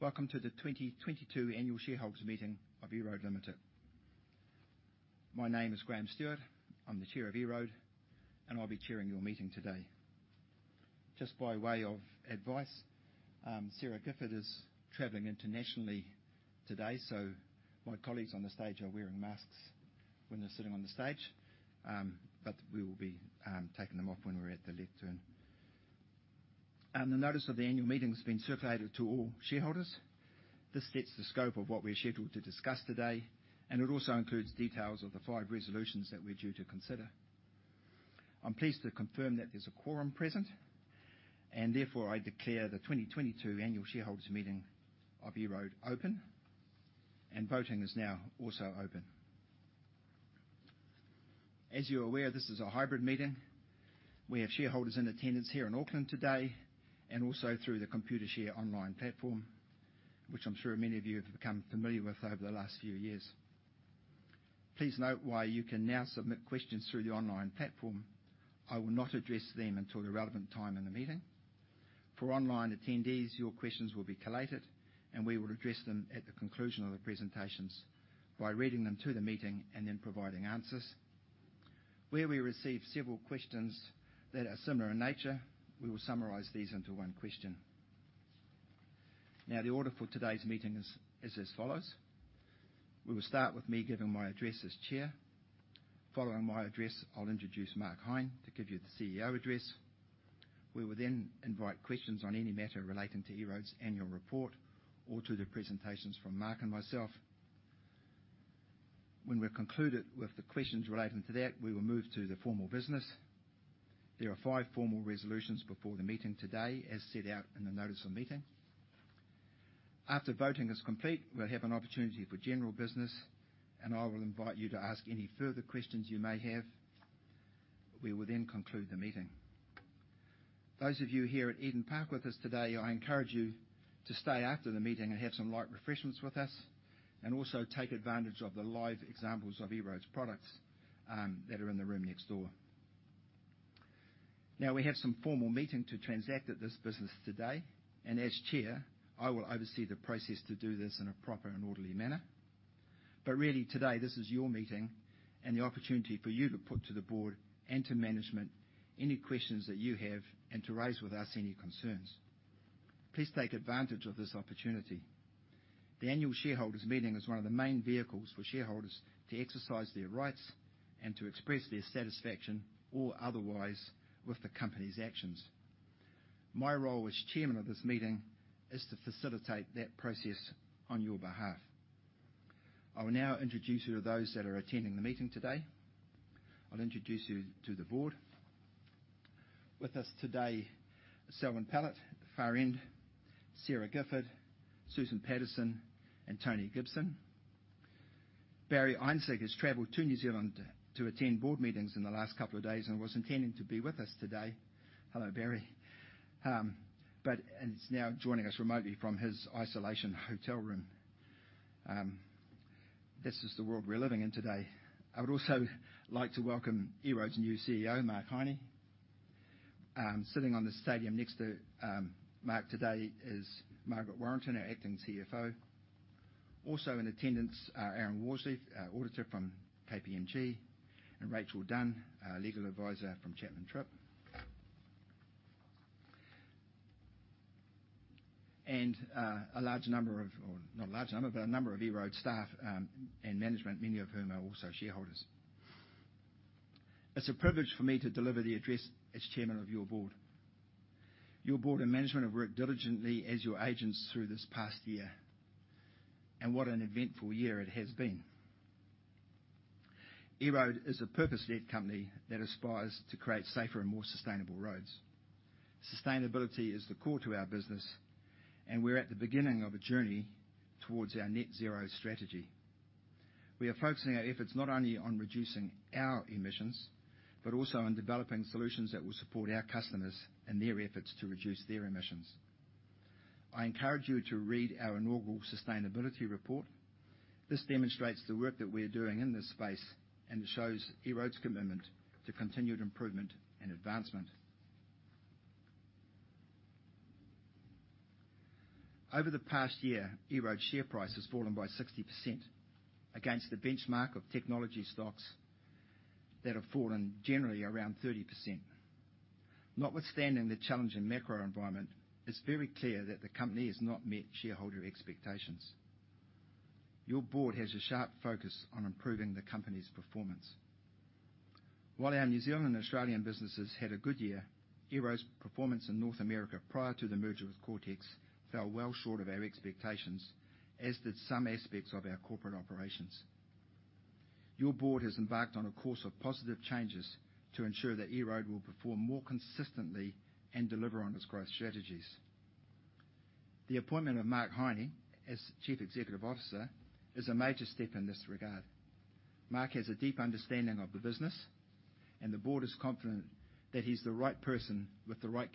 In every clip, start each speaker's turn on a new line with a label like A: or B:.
A: Welcome to the 2022 Annual Shareholders Meeting of EROAD Ltd. My name is Graham Stuart. I'm the Chair of EROAD, and I'll be chairing your meeting today. Just by way of advice, Sara Gifford is traveling internationally today, so my colleagues on the stage are wearing masks when they're sitting on the stage. But we will be taking them off when we're at the lectern. The notice of the annual meeting has been circulated to all shareholders. This sets the scope of what we're scheduled to discuss today, and it also includes details of the five resolutions that we're due to consider. I'm pleased to confirm that there's a quorum present, and therefore I declare the 2022 Annual Shareholders Meeting of EROAD open, and voting is now also open. As you're aware, this is a hybrid meeting. We have shareholders in attendance here in Auckland today and also through the Computershare online platform, which I'm sure many of you have become familiar with over the last few years. Please note, while you can now submit questions through the online platform, I will not address them until the relevant time in the meeting. For online attendees, your questions will be collated, and we will address them at the conclusion of the presentations by reading them to the meeting and then providing answers. Where we receive several questions that are similar in nature, we will summarize these into one question. Now, the order for today's meeting is as follows. We will start with me giving my address as Chair. Following my address, I'll introduce Mark Heine to give you the CEO address. We will then invite questions on any matter relating to EROAD's annual report or to the presentations from Mark and myself. When we've concluded with the questions relating to that, we will move to the formal business. There are five formal resolutions before the meeting today, as set out in the notice of meeting. After voting is complete, we'll have an opportunity for general business, and I will invite you to ask any further questions you may have. We will then conclude the meeting. Those of you here at Eden Park with us today, I encourage you to stay after the meeting and have some light refreshments with us and also take advantage of the live examples of EROAD's products that are in the room next door. Now, we have some formal meeting to transact at this business today, and as chair, I will oversee the process to do this in a proper and orderly manner. Really today, this is your meeting and the opportunity for you to put to the board and to management any questions that you have and to raise with us any concerns. Please take advantage of this opportunity. The annual shareholders meeting is one of the main vehicles for shareholders to exercise their rights and to express their satisfaction or otherwise with the company's actions. My role as chairman of this meeting is to facilitate that process on your behalf. I will now introduce you to those that are attending the meeting today. I'll introduce you to the board. With us today, Selwyn Pellett at the far end, Sara Gifford, Susan Paterson, and Tony Gibson. Barry Einsig has traveled to New Zealand to attend board meetings in the last couple of days and was intending to be with us today. Hello, Barry. He is now joining us remotely from his isolation hotel room. This is the world we're living in today. I would also like to welcome EROAD's new CEO, Mark Heine. Sitting in the stand next to Mark today is Margaret Warrington, our acting CFO. Also in attendance are Eoin Walshe, our auditor from KPMG, and Rachel Dunne, our legal advisor from Chapman Tripp. A number of EROAD staff and management, many of whom are also shareholders. It's a privilege for me to deliver the address as chairman of your board. Your board and management have worked diligently as your agents through this past year, and what an eventful year it has been. EROAD is a purpose-led company that aspires to create safer and more sustainable roads. Sustainability is the core to our business, and we're at the beginning of a journey towards our net zero strategy. We are focusing our efforts not only on reducing our emissions, but also on developing solutions that will support our customers and their efforts to reduce their emissions. I encourage you to read our inaugural sustainability report. This demonstrates the work that we're doing in this space and shows EROAD's commitment to continued improvement and advancement. Over the past year, EROAD's share price has fallen by 60% against the benchmark of technology stocks that have fallen generally around 30%. Notwithstanding the challenging macro environment, it's very clear that the company has not met shareholder expectations. Your board has a sharp focus on improving the company's performance. While our New Zealand and Australian businesses had a good year, EROAD's performance in North America prior to the merger with Coretex fell well short of our expectations, as did some aspects of our corporate operations. Your board has embarked on a course of positive changes to ensure that EROAD will perform more consistently and deliver on its growth strategies. The appointment of Mark Heine as Chief Executive Officer is a major step in this regard. Mark has a deep understanding of the business, and the board is confident that he's the right person with the right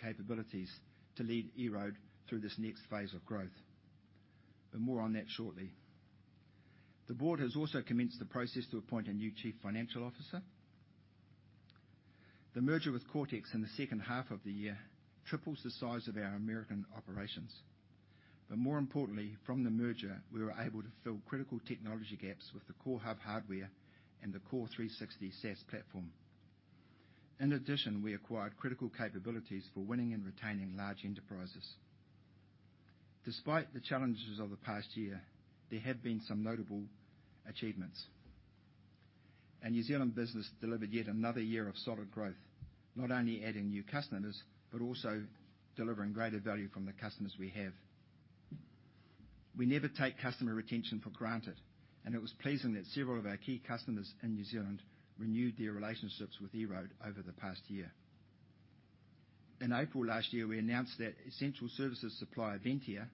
A: capabilities to lead EROAD through this next phase of growth. More on that shortly. The board has also commenced the process to appoint a new chief financial officer. The merger with Coretex in the second half of the year triples the size of our American operations. More importantly, from the merger, we were able to fill critical technology gaps with the CoreHub hardware and the Core360 SaaS platform. In addition, we acquired critical capabilities for winning and retaining large enterprises. Despite the challenges of the past year, there have been some notable achievements. Our New Zealand business delivered yet another year of solid growth, not only adding new customers, but also delivering greater value from the customers we have. We never take customer retention for granted, and it was pleasing that several of our key customers in New Zealand renewed their relationships with EROAD over the past year. In April last year, we announced that essential services supplier Ventia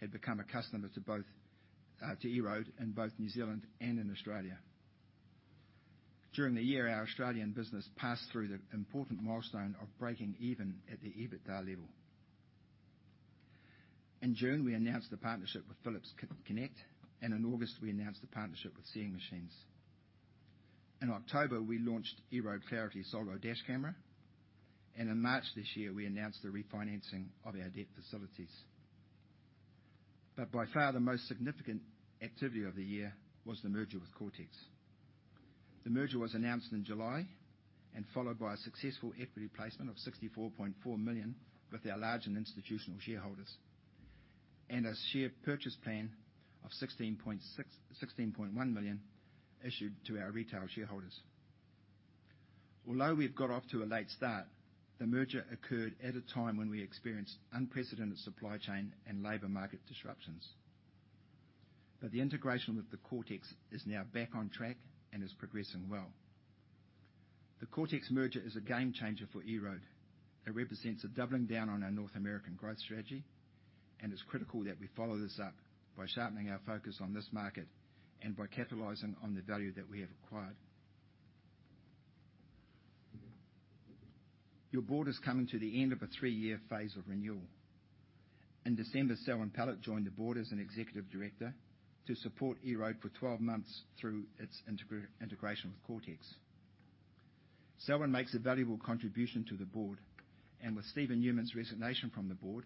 A: had become a customer to both, to EROAD in both New Zealand and in Australia. During the year, our Australian business passed through the important milestone of breaking even at the EBITDA level. In June, we announced the partnership with Phillips Connect, and in August, we announced the partnership with Seeing Machines. In October, we launched EROAD Clarity Solo Dash Camera, and in March this year, we announced the refinancing of our debt facilities. By far, the most significant activity of the year was the merger with Coretex. The merger was announced in July and followed by a successful equity placement of 64.4 million with our large and institutional shareholders, and a share purchase plan of 16.1 million issued to our retail shareholders. Although we've got off to a late start, the merger occurred at a time when we experienced unprecedented supply chain and labor market disruptions. The integration with the Coretex is now back on track and is progressing well. The Coretex merger is a game changer for EROAD. It represents a doubling down on our North American growth strategy, and it's critical that we follow this up by sharpening our focus on this market and by capitalizing on the value that we have acquired. Your board is coming to the end of a three-year phase of renewal. In December, Selwyn Pellett joined the board as an executive director to support EROAD for 12 months through its integration with Coretex. Selwyn makes a valuable contribution to the board, and with Steven Newman's resignation from the board,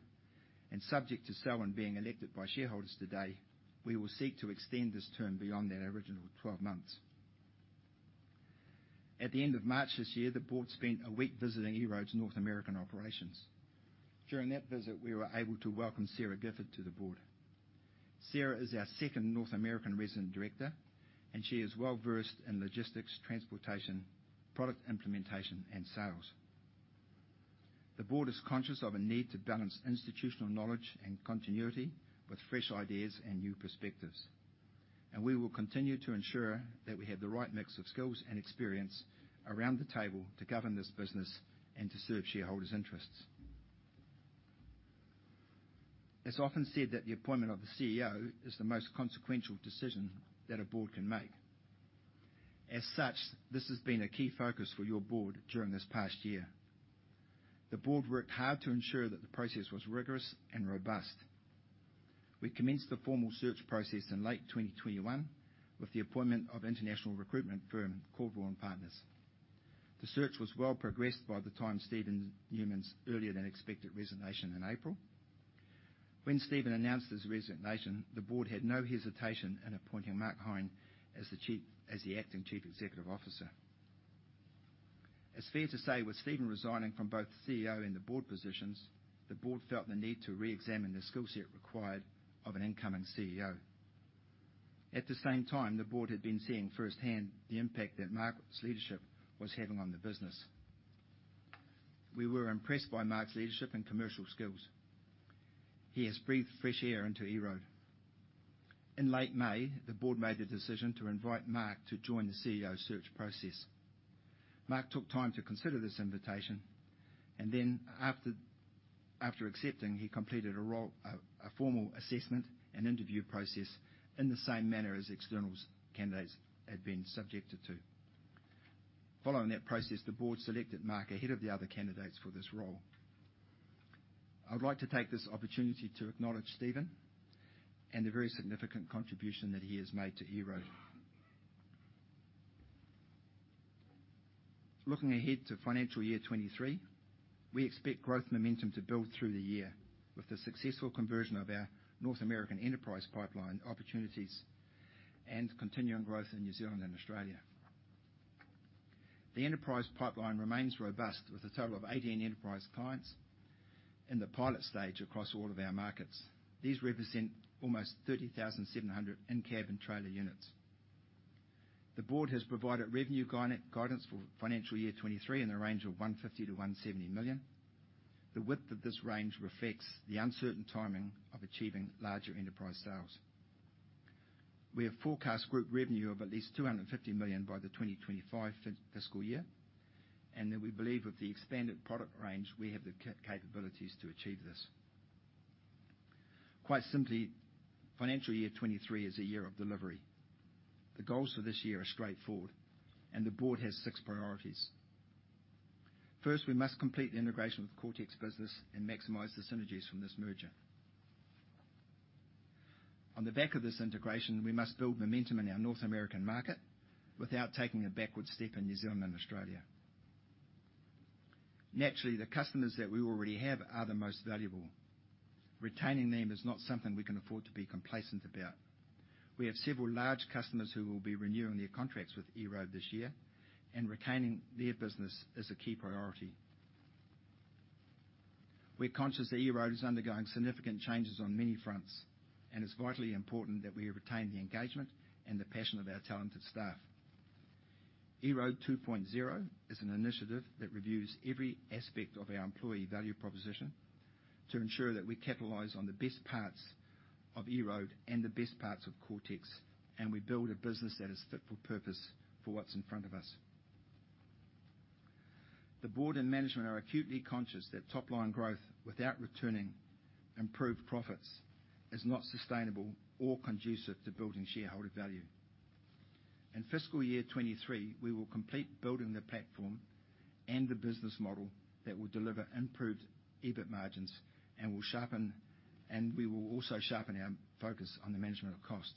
A: and subject to Selwyn being elected by shareholders today, we will seek to extend this term beyond that original 12 months. At the end of March this year, the board spent a week visiting EROAD's North American operations. During that visit, we were able to welcome Sara Gifford to the board. Sara is our second North American resident director, and she is well-versed in logistics, transportation, product implementation, and sales. The board is conscious of a need to balance institutional knowledge and continuity with fresh ideas and new perspectives, and we will continue to ensure that we have the right mix of skills and experience around the table to govern this business and to serve shareholders' interests. It's often said that the appointment of the CEO is the most consequential decision that a board can make. As such, this has been a key focus for your board during this past year. The board worked hard to ensure that the process was rigorous and robust. We commenced the formal search process in late 2021 with the appointment of international recruitment firm, [Corvus] Partners. The search was well progressed by the time Steven Newman's earlier than expected resignation in April. When Steven announced his resignation, the board had no hesitation in appointing Mark Heine as the acting chief executive officer. It's fair to say with Steven resigning from both CEO and the board positions, the board felt the need to reexamine the skill set required of an incoming CEO. At the same time, the board had been seeing firsthand the impact that Mark's leadership was having on the business. We were impressed by Mark's leadership and commercial skills. He has breathed fresh air into EROAD. In late May, the board made the decision to invite Mark to join the CEO search process. Mark took time to consider this invitation, and then after accepting, he completed a formal assessment and interview process in the same manner as external candidates had been subjected to. Following that process, the board selected Mark ahead of the other candidates for this role. I'd like to take this opportunity to acknowledge Steven and the very significant contribution that he has made to EROAD. Looking ahead to financial year 2023, we expect growth momentum to build through the year with the successful conversion of our North American enterprise pipeline opportunities and continuing growth in New Zealand and Australia. The enterprise pipeline remains robust with a total of 18 enterprise clients in the pilot stage across all of our markets. These represent almost 30,700 in-cab trailer units. The board has provided revenue guidance for financial year 2023 in the range of 150-170 million. The width of this range reflects the uncertain timing of achieving larger enterprise sales. We have forecast group revenue of at least 250 million by the 2025 fiscal year, and that we believe with the expanded product range, we have the capabilities to achieve this. Quite simply, financial year 2023 is a year of delivery. The goals for this year are straightforward, and the board has six priorities. First, we must complete the integration with Coretex business and maximize the synergies from this merger. On the back of this integration, we must build momentum in our North American market without taking a backward step in New Zealand and Australia. Naturally, the customers that we already have are the most valuable. Retaining them is not something we can afford to be complacent about. We have several large customers who will be renewing their contracts with EROAD this year, and retaining their business is a key priority. We're conscious that EROAD is undergoing significant changes on many fronts, and it's vitally important that we retain the engagement and the passion of our talented staff. EROAD 2.0 is an initiative that reviews every aspect of our employee value proposition to ensure that we capitalize on the best parts of EROAD and the best parts of Coretex, and we build a business that is fit for purpose for what's in front of us. The board and management are acutely conscious that top-line growth without returning improved profits is not sustainable or conducive to building shareholder value. In fiscal year 2023, we will complete building the platform and the business model that will deliver improved EBIT margins and we will also sharpen our focus on the management of costs.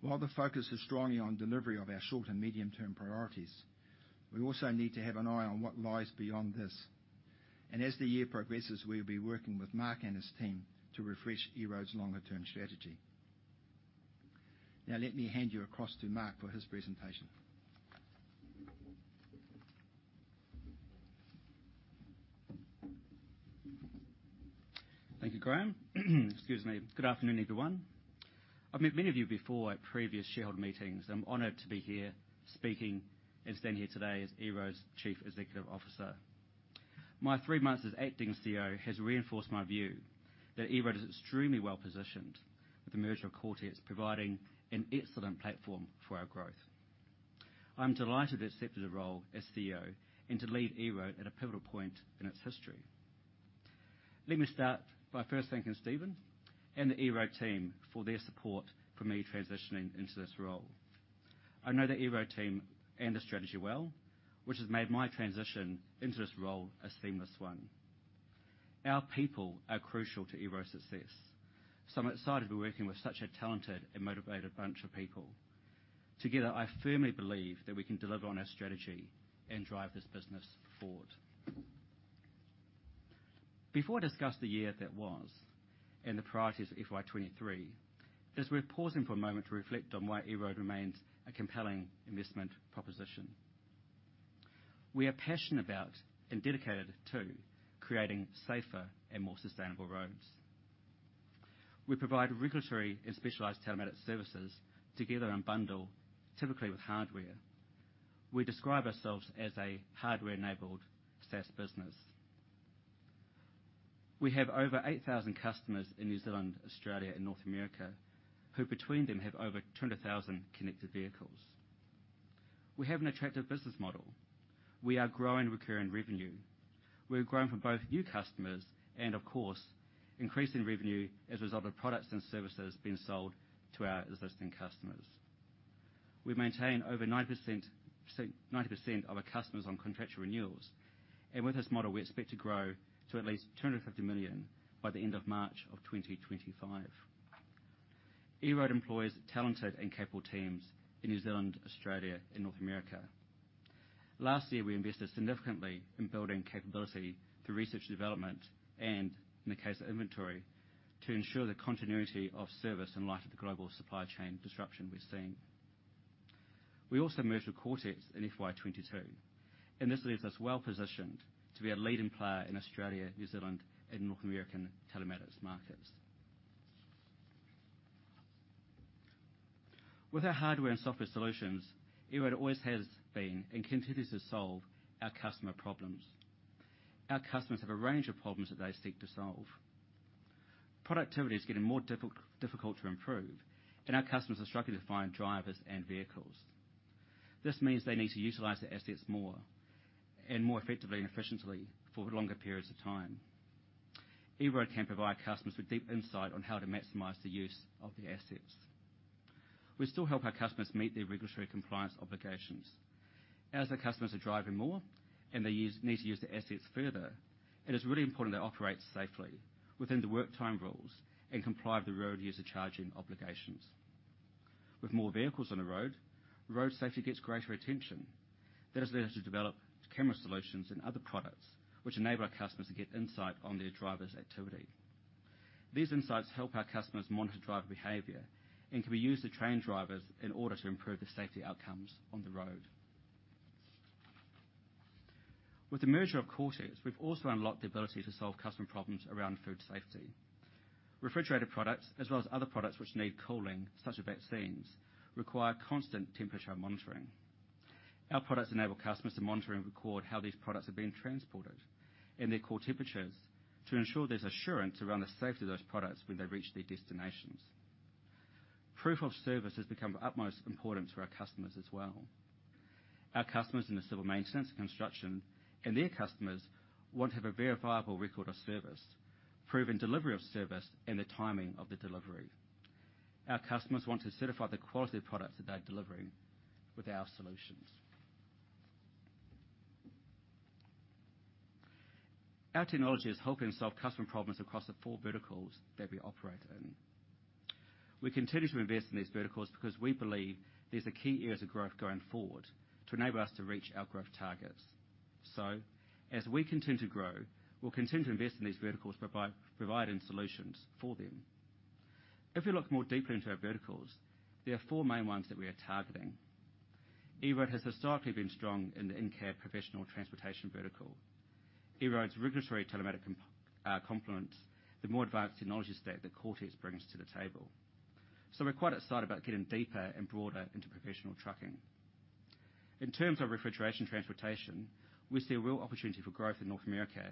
A: While the focus is strongly on delivery of our short and medium term priorities, we also need to have an eye on what lies beyond this. As the year progresses, we'll be working with Mark and his team to refresh EROAD's longer-term strategy. Now, let me hand you across to Mark for his presentation.
B: Thank you, Graham. Excuse me. Good afternoon, everyone. I've met many of you before at previous shareholder meetings. I'm honored to be here, speaking and standing here today as EROAD's Chief Executive Officer. My three months as acting CEO has reinforced my view that EROAD is extremely well-positioned with the merger of Coretex providing an excellent platform for our growth. I'm delighted to have accepted the role as CEO and to lead EROAD at a pivotal point in its history. Let me start by first thanking Steven and the EROAD team for their support for me transitioning into this role. I know the EROAD team and the strategy well, which has made my transition into this role a seamless one. Our people are crucial to EROAD's success, so I'm excited to be working with such a talented and motivated bunch of people. Together, I firmly believe that we can deliver on our strategy and drive this business forward. Before I discuss the year that was and the priorities of FY 2023, it's worth pausing for a moment to reflect on why EROAD remains a compelling investment proposition. We are passionate about and dedicated to creating safer and more sustainable roads. We provide regulatory and specialized telematics services together in a bundle, typically with hardware. We describe ourselves as a hardware-enabled SaaS business. We have over 8,000 customers in New Zealand, Australia, and North America, who between them have over 200,000 connected vehicles. We have an attractive business model. We are growing recurring revenue. We're growing from both new customers and of course, increasing revenue as a result of products and services being sold to our existing customers. We maintain over 90% of our customers on contract renewals, and with this model, we expect to grow to at least 250 million by the end of March 2025. EROAD employs talented and capable teams in New Zealand, Australia, and North America. Last year, we invested significantly in building capability through research and development and, in the case of inventory, to ensure the continuity of service in light of the global supply chain disruption we're seeing. We also merged with Coretex in FY 2022, and this leaves us well-positioned to be a leading player in Australia, New Zealand, and North American telematics markets. With our hardware and software solutions, EROAD always has been and continues to solve our customer problems. Our customers have a range of problems that they seek to solve. Productivity is getting more difficult to improve, and our customers are struggling to find drivers and vehicles. This means they need to utilize their assets more and more effectively and efficiently for longer periods of time. EROAD can provide customers with deep insight on how to maximize the use of their assets. We still help our customers meet their regulatory compliance obligations. As our customers are driving more and they need to use their assets further, it is really important they operate safely within the work time rules and comply with the road user charging obligations. With more vehicles on the road safety gets greater attention. That has led us to develop camera solutions and other products which enable our customers to get insight on their drivers' activity. These insights help our customers monitor driver behavior and can be used to train drivers in order to improve the safety outcomes on the road. With the merger of Coretex, we've also unlocked the ability to solve customer problems around food safety. Refrigerated products, as well as other products which need cooling, such as vaccines, require constant temperature monitoring. Our products enable customers to monitor and record how these products are being transported and their core temperatures to ensure there's assurance around the safety of those products when they reach their destinations. Proof of service has become of utmost importance for our customers as well. Our customers in the civil maintenance and construction and their customers want to have a verifiable record of service, proven delivery of service, and the timing of the delivery. Our customers want to certify the quality of products that they're delivering with our solutions. Our technology is helping solve customer problems across the four verticals that we operate in. We continue to invest in these verticals because we believe these are key areas of growth going forward to enable us to reach our growth targets. As we continue to grow, we'll continue to invest in these verticals providing solutions for them. If you look more deeply into our verticals, there are four main ones that we are targeting. EROAD has historically been strong in the in-cab professional transportation vertical. EROAD's regulatory telematics complements the more advanced technology stack that Coretex brings to the table. We're quite excited about getting deeper and broader into professional trucking. In terms of refrigeration transportation, we see a real opportunity for growth in North America,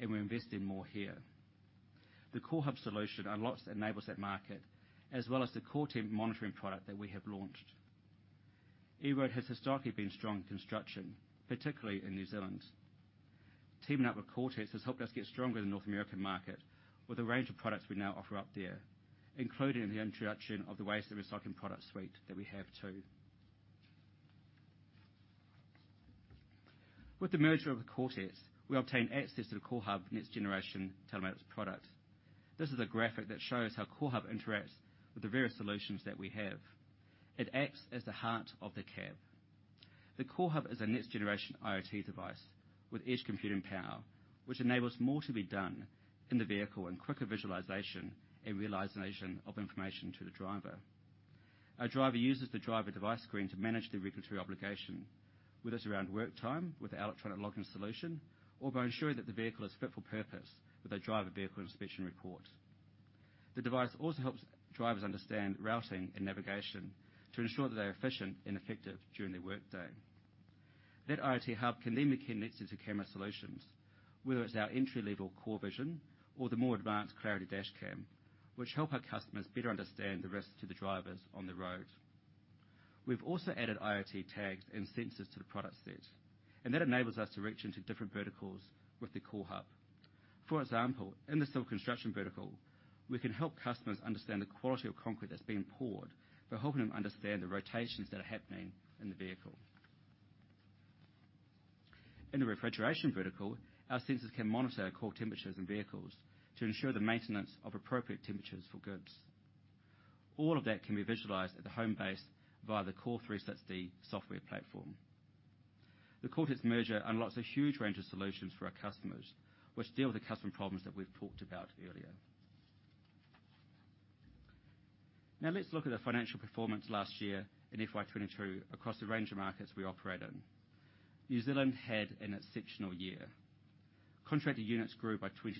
B: and we're investing more here. The CoreHub solution unlocks and enables that market, as well as the CoreTemp monitoring product that we have launched. EROAD has historically been strong in construction, particularly in New Zealand. Teaming up with Coretex has helped us get stronger in the North American market with a range of products we now offer up there, including the introduction of the waste and recycling product suite that we have too. With the merger of Coretex, we obtained access to the CoreHub next generation telematics product. This is a graphic that shows how CoreHub interacts with the various solutions that we have. It acts as the heart of the cab. The CoreHub is a next generation IoT device with edge computing power, which enables more to be done in the vehicle and quicker visualization and realization of information to the driver. A driver uses the driver device screen to manage their regulatory obligation, whether it's around work time with electronic login solution or by ensuring that the vehicle is fit for purpose with a driver vehicle inspection report. The device also helps drivers understand routing and navigation to ensure that they are efficient and effective during their workday. That IoT hub can then be connected to camera solutions, whether it's our entry-level CoreVision or the more advanced Clarity Dashcam, which help our customers better understand the risks to the drivers on the road. We've also added IoT tags and sensors to the product set, and that enables us to reach into different verticals with the CoreHub. For example, in the civil construction vertical, we can help customers understand the quality of concrete that's being poured by helping them understand the rotations that are happening in the vehicle. In the refrigeration vertical, our sensors can monitor core temperatures in vehicles to ensure the maintenance of appropriate temperatures for goods. All of that can be visualized at the home base via the Core360 software platform. The Coretex merger unlocks a huge range of solutions for our customers, which deal with the customer problems that we've talked about earlier. Now let's look at the financial performance last year in FY 2022 across a range of markets we operate in. New Zealand had an exceptional year. Contracted units grew by 22%.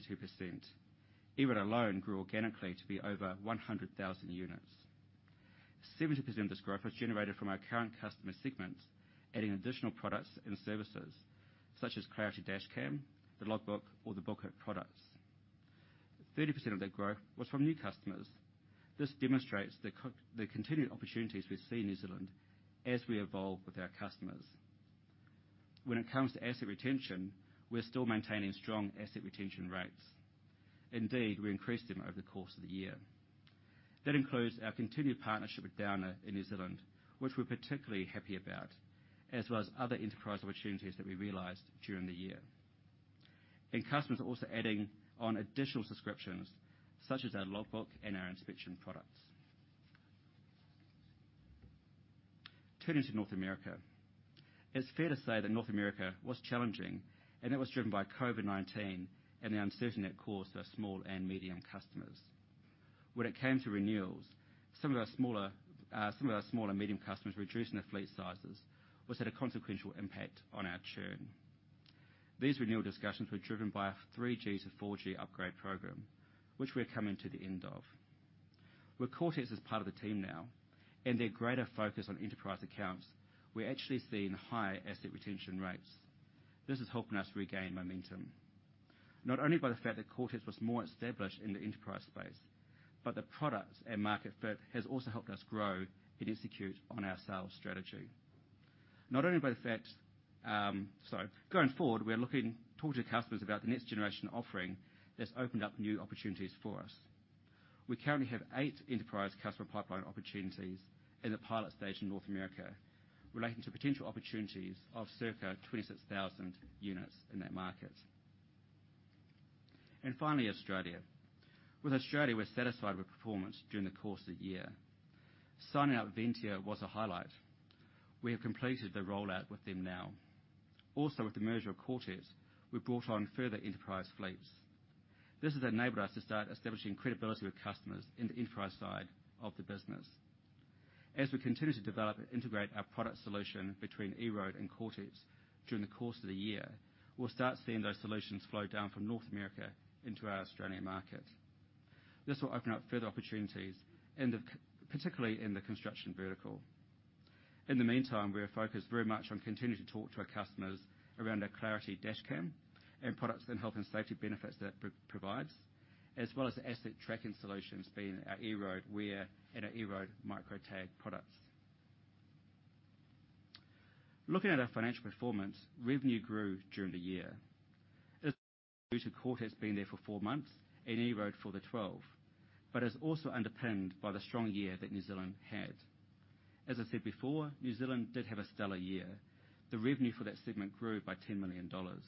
B: EROAD alone grew organically to be over 100,000 units. 70% of this growth was generated from our current customer segments, adding additional products and services such as Clarity Dashcam, the Logbook, or the BookIt products. 30% of that growth was from new customers. This demonstrates the continued opportunities we see in New Zealand as we evolve with our customers. When it comes to asset retention, we're still maintaining strong asset retention rates. Indeed, we increased them over the course of the year. That includes our continued partnership with Downer in New Zealand, which we're particularly happy about, as well as other enterprise opportunities that we realized during the year. Customers are also adding on additional subscriptions such as our Logbook and our inspection products. Turning to North America. It's fair to say that North America was challenging, and that was driven by COVID-19 and the uncertainty it caused to our small and medium customers. When it came to renewals, some of our small and medium customers reduced their fleet sizes, which had a consequential impact on our churn. These renewal discussions were driven by a 3G to 4G upgrade program, which we're coming to the end of. With Coretex as part of the team now and their greater focus on enterprise accounts, we're actually seeing higher asset retention rates. This is helping us regain momentum, not only by the fact that Coretex was more established in the enterprise space, but the products and market fit has also helped us grow and execute on our sales strategy. Going forward, we are talking to customers about the next generation offering that's opened up new opportunities for us. We currently have eight enterprise customer pipeline opportunities in the pilot stage in North America relating to potential opportunities of circa 26,000 units in that market. Australia. With Australia, we're satisfied with performance during the course of the year. Signing up Ventia was a highlight. We have completed the rollout with them now. Also, with the merger of Coretex, we brought on further enterprise fleets. This has enabled us to start establishing credibility with customers in the enterprise side of the business. As we continue to develop and integrate our product solution between EROAD and Coretex during the course of the year, we'll start seeing those solutions flow down from North America into our Australian market. This will open up further opportunities particularly in the construction vertical. In the meantime, we are focused very much on continuing to talk to our customers around our Clarity Dashcam products and health and safety benefits that provides, as well as the asset tracking solutions, being our EROAD Where and our EROAD Where Mini tag products. Looking at our financial performance, revenue grew during the year. This is due to Coretex has been there for four months and EROAD for the 12, but is also underpinned by the strong year that New Zealand had. As I said before, New Zealand did have a stellar year. The revenue for that segment grew by 10 million dollars.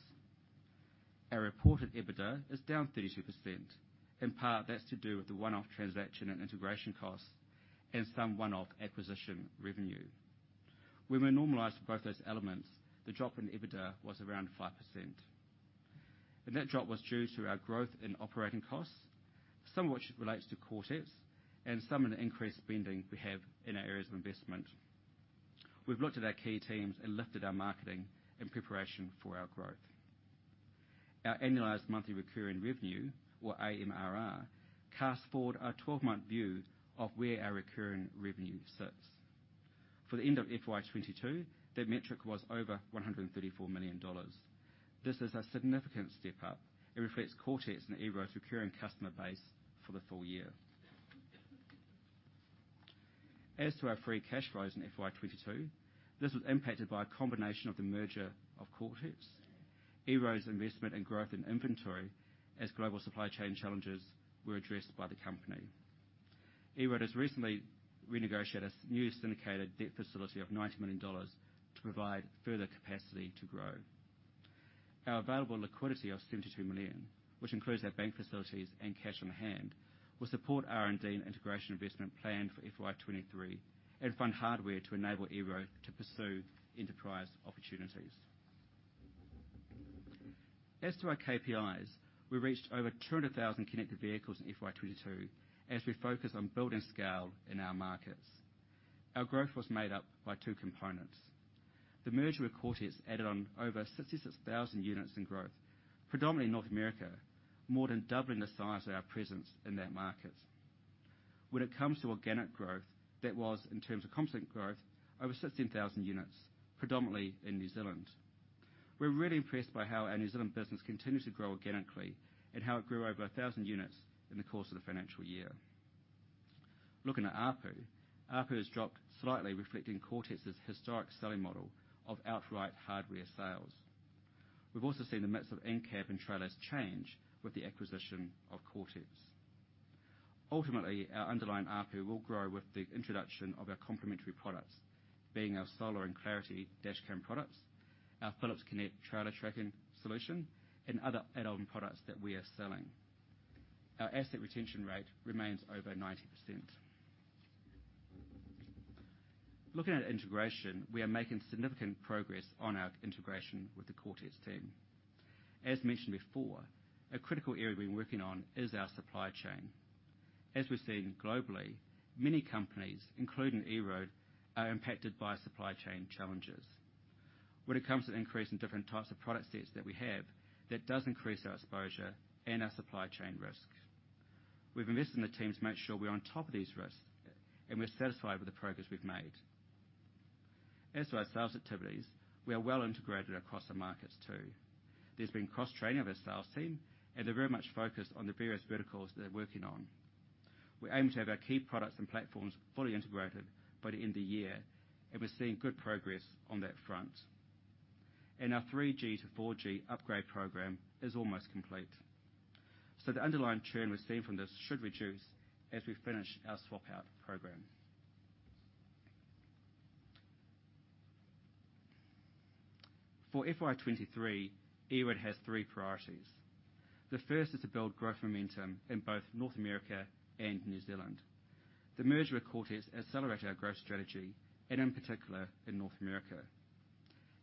B: Our reported EBITDA is down 32%. In part, that's to do with the one-off transaction and integration costs and some one-off acquisition revenue. When we normalize for both those elements, the drop in EBITDA was around 5%, and that drop was due to our growth in operating costs, some of which relates to Coretex and some of the increased spending we have in our areas of investment. We've looked at our key teams and lifted our marketing in preparation for our growth. Our annualized monthly recurring revenue, or AMRR, casts forward our 12-month view of where our recurring revenue sits. For the end of FY 2022, that metric was over 134 million dollars. This is a significant step-up. It reflects Coretex and EROAD's recurring customer base for the full year. As to our free cash flows in FY 2022, this was impacted by a combination of the merger of Coretex, EROAD's investment and growth in inventory as global supply chain challenges were addressed by the company. EROAD has recently renegotiated a new syndicated debt facility of 90 million dollars to provide further capacity to grow. Our available liquidity of 72 million, which includes our bank facilities and cash on hand, will support R&D and integration investment plan for FY 2023 and fund hardware to enable EROAD to pursue enterprise opportunities. As to our KPIs, we reached over 200,000 connected vehicles in FY 2022 as we focus on building scale in our markets. Our growth was made up by two components. The merger with Coretex added on over 66,000 units in growth, predominantly in North America, more than doubling the size of our presence in that market. When it comes to organic growth, that was, in terms of constant growth, over 16,000 units, predominantly in New Zealand. We're really impressed by how our New Zealand business continues to grow organically and how it grew over 1,000 units in the course of the financial year. Looking at ARPU. ARPU has dropped slightly, reflecting Coretex's historic selling model of outright hardware sales. We've also seen the mix of in-cab and trailers change with the acquisition of Coretex. Ultimately, our underlying ARPU will grow with the introduction of our complementary products, being our Solar and Clarity Dash Cam products, our Phillips Connect trailer tracking solution, and other add-on products that we are selling. Our asset retention rate remains over 90%. Looking at integration, we are making significant progress on our integration with the Coretex team. As mentioned before, a critical area we're working on is our supply chain. As we're seeing globally, many companies, including EROAD, are impacted by supply chain challenges. When it comes to increasing different types of product sets that we have, that does increase our exposure and our supply chain risk. We've invested in the team to make sure we're on top of these risks, and we're satisfied with the progress we've made. As to our sales activities, we are well integrated across the markets too. There's been cross-training of our sales team, and they're very much focused on the various verticals they're working on. We aim to have our key products and platforms fully integrated by the end of the year, and we're seeing good progress on that front. Our 3G to 4G upgrade program is almost complete. The underlying churn we're seeing from this should reduce as we finish our swap-out program. For FY23, EROAD has three priorities. The first is to build growth momentum in both North America and New Zealand. The merger with Coretex accelerated our growth strategy, and in particular in North America.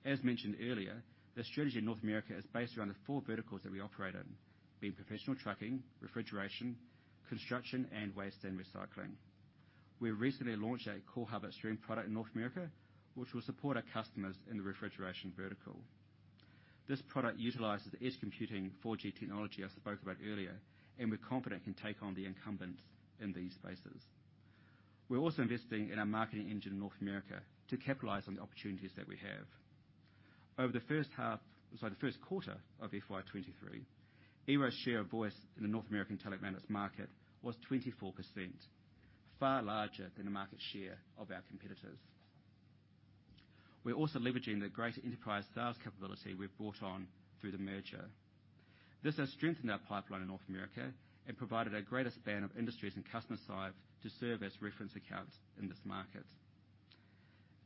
B: As mentioned earlier, the strategy in North America is based around the four verticals that we operate in, being professional trucking, refrigeration, construction, and waste and recycling. We recently launched our Core Hub Extreme product in North America, which will support our customers in the refrigeration vertical. This product utilizes edge computing 4G technology, as I spoke about earlier, and we're confident it can take on the incumbents in these spaces. We're also investing in our marketing engine in North America to capitalize on the opportunities that we have. Over the first quarter of FY 2023, EROAD's share of voice in the North American telematics market was 24%, far larger than the market share of our competitors. We're also leveraging the greater enterprise sales capability we've brought on through the merger. This has strengthened our pipeline in North America and provided a greater span of industries and customer size to serve as reference accounts in this market.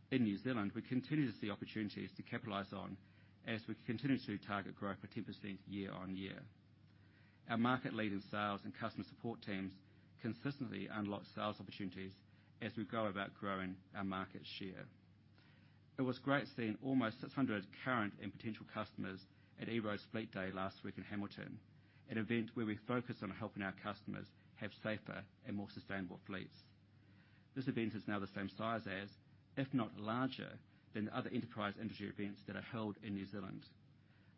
B: In New Zealand, we continue to see opportunities to capitalize on as we continue to target growth for 10% year-on-year. Our market-leading sales and customer support teams consistently unlock sales opportunities as we go about growing our market share. It was great seeing almost 600 current and potential customers at EROAD's Fleet Day last week in Hamilton, an event where we focused on helping our customers have safer and more sustainable fleets. This event is now the same size as, if not larger, than the other enterprise industry events that are held in New Zealand.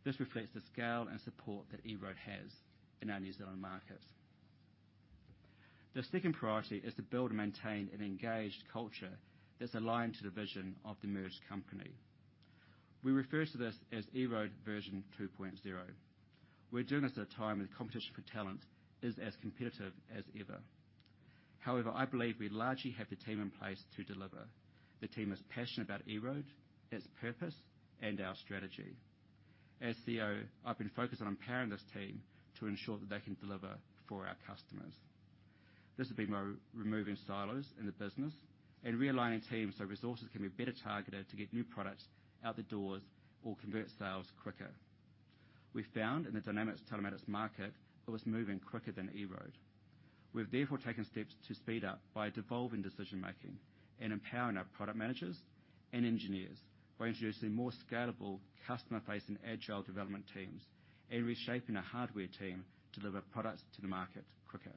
B: This reflects the scale and support that EROAD has in our New Zealand markets. The second priority is to build and maintain an engaged culture that's aligned to the vision of the merged company. We refer to this as EROAD 2.0. We're doing this at a time when competition for talent is as competitive as ever. However, I believe we largely have the team in place to deliver. The team is passionate about EROAD, its purpose, and our strategy. As CEO, I've been focused on empowering this team to ensure that they can deliver for our customers. This has been by removing silos in the business and realigning teams so resources can be better targeted to get new products out the doors or convert sales quicker. We found in the dynamics of telematics market, it was moving quicker than EROAD. We've therefore taken steps to speed up by devolving decision-making and empowering our product managers and engineers by introducing more scalable customer-facing agile development teams and reshaping our hardware team to deliver products to the market quicker.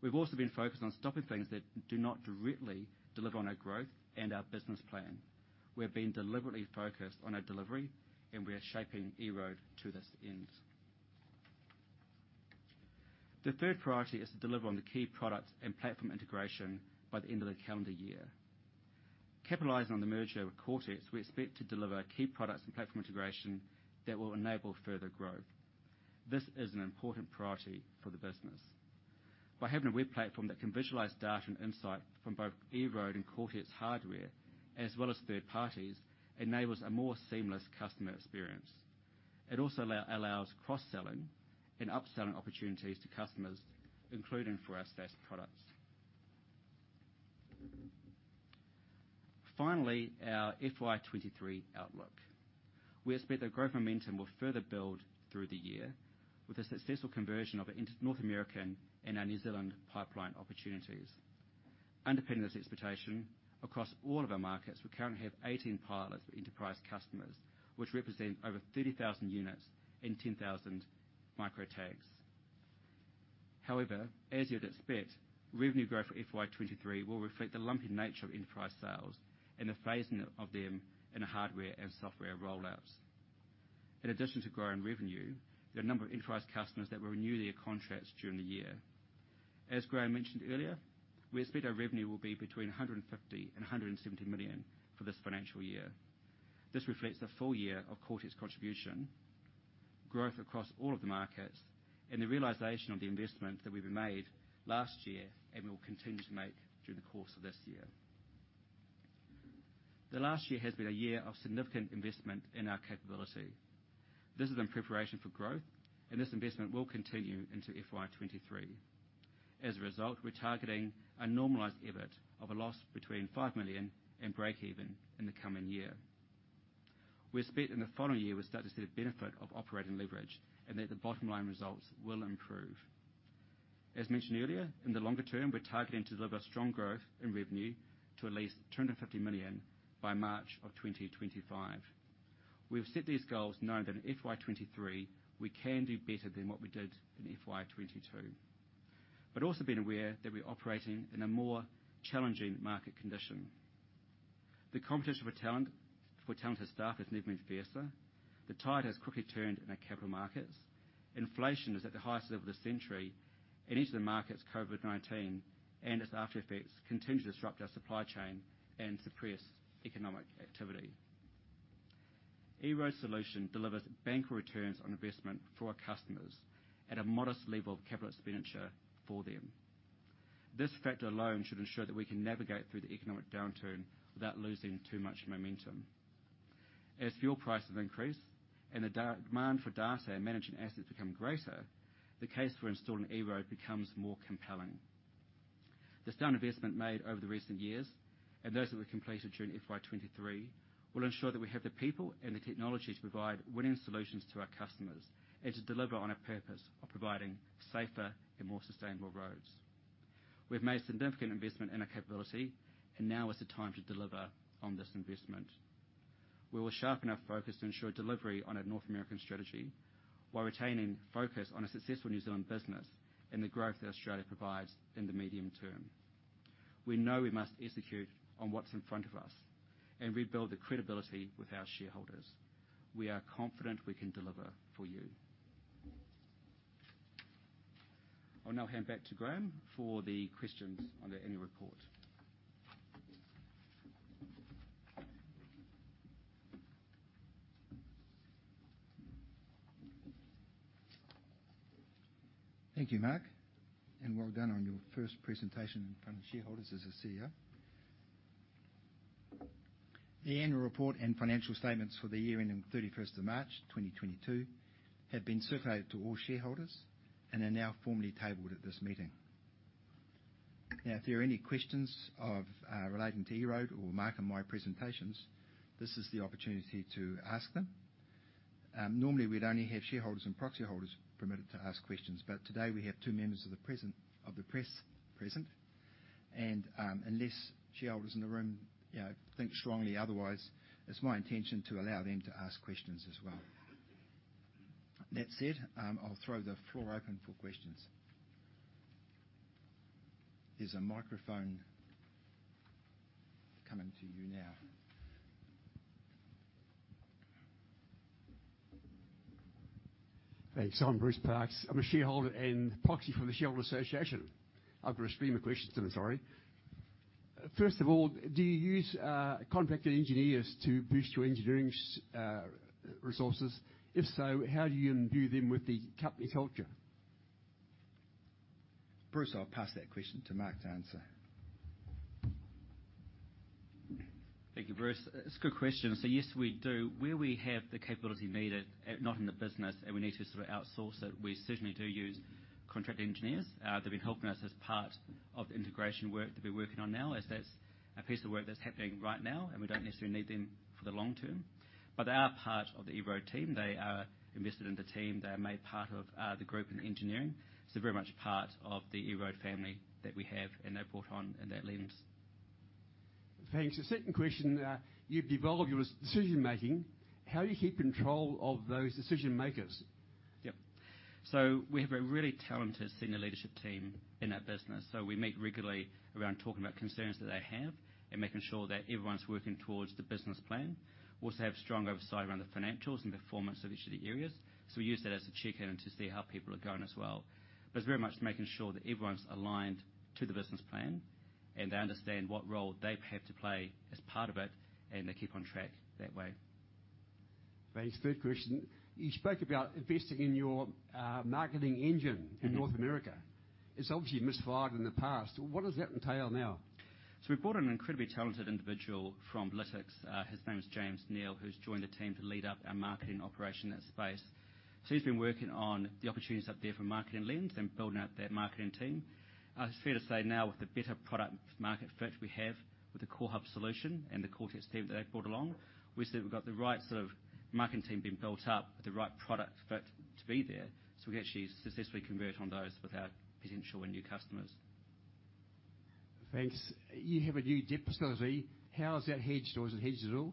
B: We've also been focused on stopping things that do not directly deliver on our growth and our business plan. We have been deliberately focused on our delivery, and we are shaping EROAD to this end. The third priority is to deliver on the key products and platform integration by the end of the calendar year. Capitalizing on the merger with Coretex, we expect to deliver key products and platform integration that will enable further growth. This is an important priority for the business. By having a web platform that can visualize data and insight from both EROAD and Coretex hardware, as well as third parties, enables a more seamless customer experience. It also allows cross-selling and upselling opportunities to customers, including for our SaaS products. Finally, our FY 2023 outlook. We expect the growth momentum will further build through the year with the successful conversion of our North American and our New Zealand pipeline opportunities. Underpinning this expectation, across all of our markets, we currently have 18 pilots for enterprise customers, which represent over 30,000 units and 10,000 micro tags. However, as you'd expect, revenue growth for FY 2023 will reflect the lumpy nature of enterprise sales and the phasing of them in the hardware and software rollouts. In addition to growing revenue, there are a number of enterprise customers that will renew their contracts during the year. As Graham mentioned earlier, we expect our revenue will be between 150 million and 170 million for this financial year. This reflects the full year of Coretex contribution, growth across all of the markets, and the realization of the investment that we've made last year and will continue to make through the course of this year. The last year has been a year of significant investment in our capability. This is in preparation for growth, and this investment will continue into FY 2023. As a result, we're targeting a normalized EBIT of a loss between 5 million and breakeven in the coming year. We expect in the following year, we'll start to see the benefit of operating leverage and that the bottom-line results will improve. As mentioned earlier, in the longer term, we're targeting to deliver strong growth in revenue to at least 250 million by March of 2025. We have set these goals knowing that in FY 2023, we can do better than what we did in FY 2022, but also being aware that we're operating in a more challenging market condition. The competition for talent, for talented staff has never been fiercer. The tide has quickly turned in our capital markets. Inflation is at the highest level of the century. In each of the markets, COVID-19 and its aftereffects continue to disrupt our supply chain and suppress economic activity. EROAD's solution delivers benchmark returns on investment for our customers at a modest level of capital expenditure for them. This factor alone should ensure that we can navigate through the economic downturn without losing too much momentum. As fuel prices increase and the demand for data and managing assets becomes greater, the case for installing EROAD becomes more compelling. The sound investment made over the recent years and those that we completed during FY 2023 will ensure that we have the people and the technology to provide winning solutions to our customers and to deliver on our purpose of providing safer and more sustainable roads. We've made significant investment in our capability, and now is the time to deliver on this investment. We will sharpen our focus to ensure delivery on our North American strategy while retaining focus on a successful New Zealand business and the growth that Australia provides in the medium term. We know we must execute on what's in front of us and rebuild the credibility with our shareholders. We are confident we can deliver for you. I'll now hand back to Graham for the questions on the annual report.
C: Thank you, Mark, and well done on your first presentation in front of shareholders as the CEO. The annual report and financial statements for the year ending 31st March 2022 have been circulated to all shareholders and are now formally tabled at this meeting. Now, if there are any questions relating to EROAD or Mark and my presentations, this is the opportunity to ask them. Normally, we'd only have shareholders and proxy holders permitted to ask questions. Today, we have two members of the press present. Unless shareholders in the room, you know, think strongly otherwise, it's my intention to allow them to ask questions as well. That said, I'll throw the floor open for questions. There's a microphone coming to you now.
D: Thanks. I'm Bruce Parkes. I'm a shareholder and proxy for the shareholder association. I've got a stream of questions to me. Sorry. First of all, do you use contracted engineers to boost your engineering resources? If so, how do you imbue them with the company culture?
A: Bruce, I'll pass that question to Mark to answer.
B: Thank you, Bruce. It's a good question. Yes, we do. Where we have the capability needed, not in the business, and we need to sort of outsource it, we certainly do use contract engineers. They've been helping us as part of the integration work that we're working on now, as that's a piece of work that's happening right now, and we don't necessarily need them for the long term. They are part of the EROAD team. They are invested in the team. They are made part of the group in engineering, so very much part of the EROAD family that we have, and they're brought on, and that lends.
D: Thanks. The second question, you've devolved your decision-making. How do you keep control of those decision-makers?
B: Yep. We have a really talented senior leadership team in that business. We meet regularly around talking about concerns that they have and making sure that everyone's working towards the business plan. We also have strong oversight around the financials and performance of each of the areas, so we use that as a check-in to see how people are going as well. It's very much making sure that everyone's aligned to the business plan and they understand what role they have to play as part of it, and they keep on track that way.
D: Thanks. Third question. You spoke about investing in your, marketing engine in North America. It's obviously misfired in the past. What does that entail now?
B: We brought an incredibly talented individual from Lytx, his name is James Neal, who's joined the team to lead up our marketing operation in that space. He's been working on the opportunities up there for marketing land and building out that marketing team. It's fair to say now with the better product market fit we have with the CoreHub solution and the Coretex team that they've brought along, we said we've got the right sort of marketing team being built up with the right product fit to be there, so we can actually successfully convert on those with our potential and new customers.
D: Thanks. You have a new debt facility. How is that hedged, or is it hedged at all?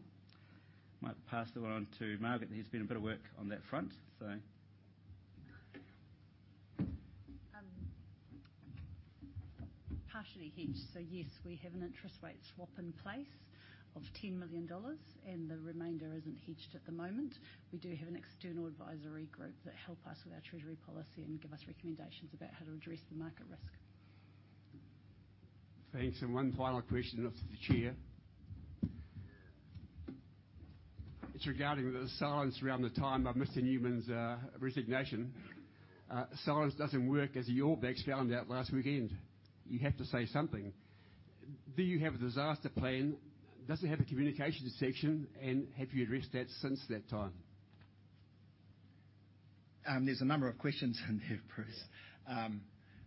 B: Might pass that one on to Margaret. There's been a bit of work on that front.
E: Partially hedged. Yes, we have an interest rate swap in place of NZD 10 million, and the remainder isn't hedged at the moment. We do have an external advisory group that help us with our treasury policy and give us recommendations about how to address the market risk.
D: Thanks. One final question off to the chair. It's regarding the silence around the time of Mr. Newman's resignation. Silence doesn't work, as the All Blacks found out last weekend. You have to say something. Do you have a disaster plan? Does it have a communication section, and have you addressed that since that time?
A: There's a number of questions in there, Bruce.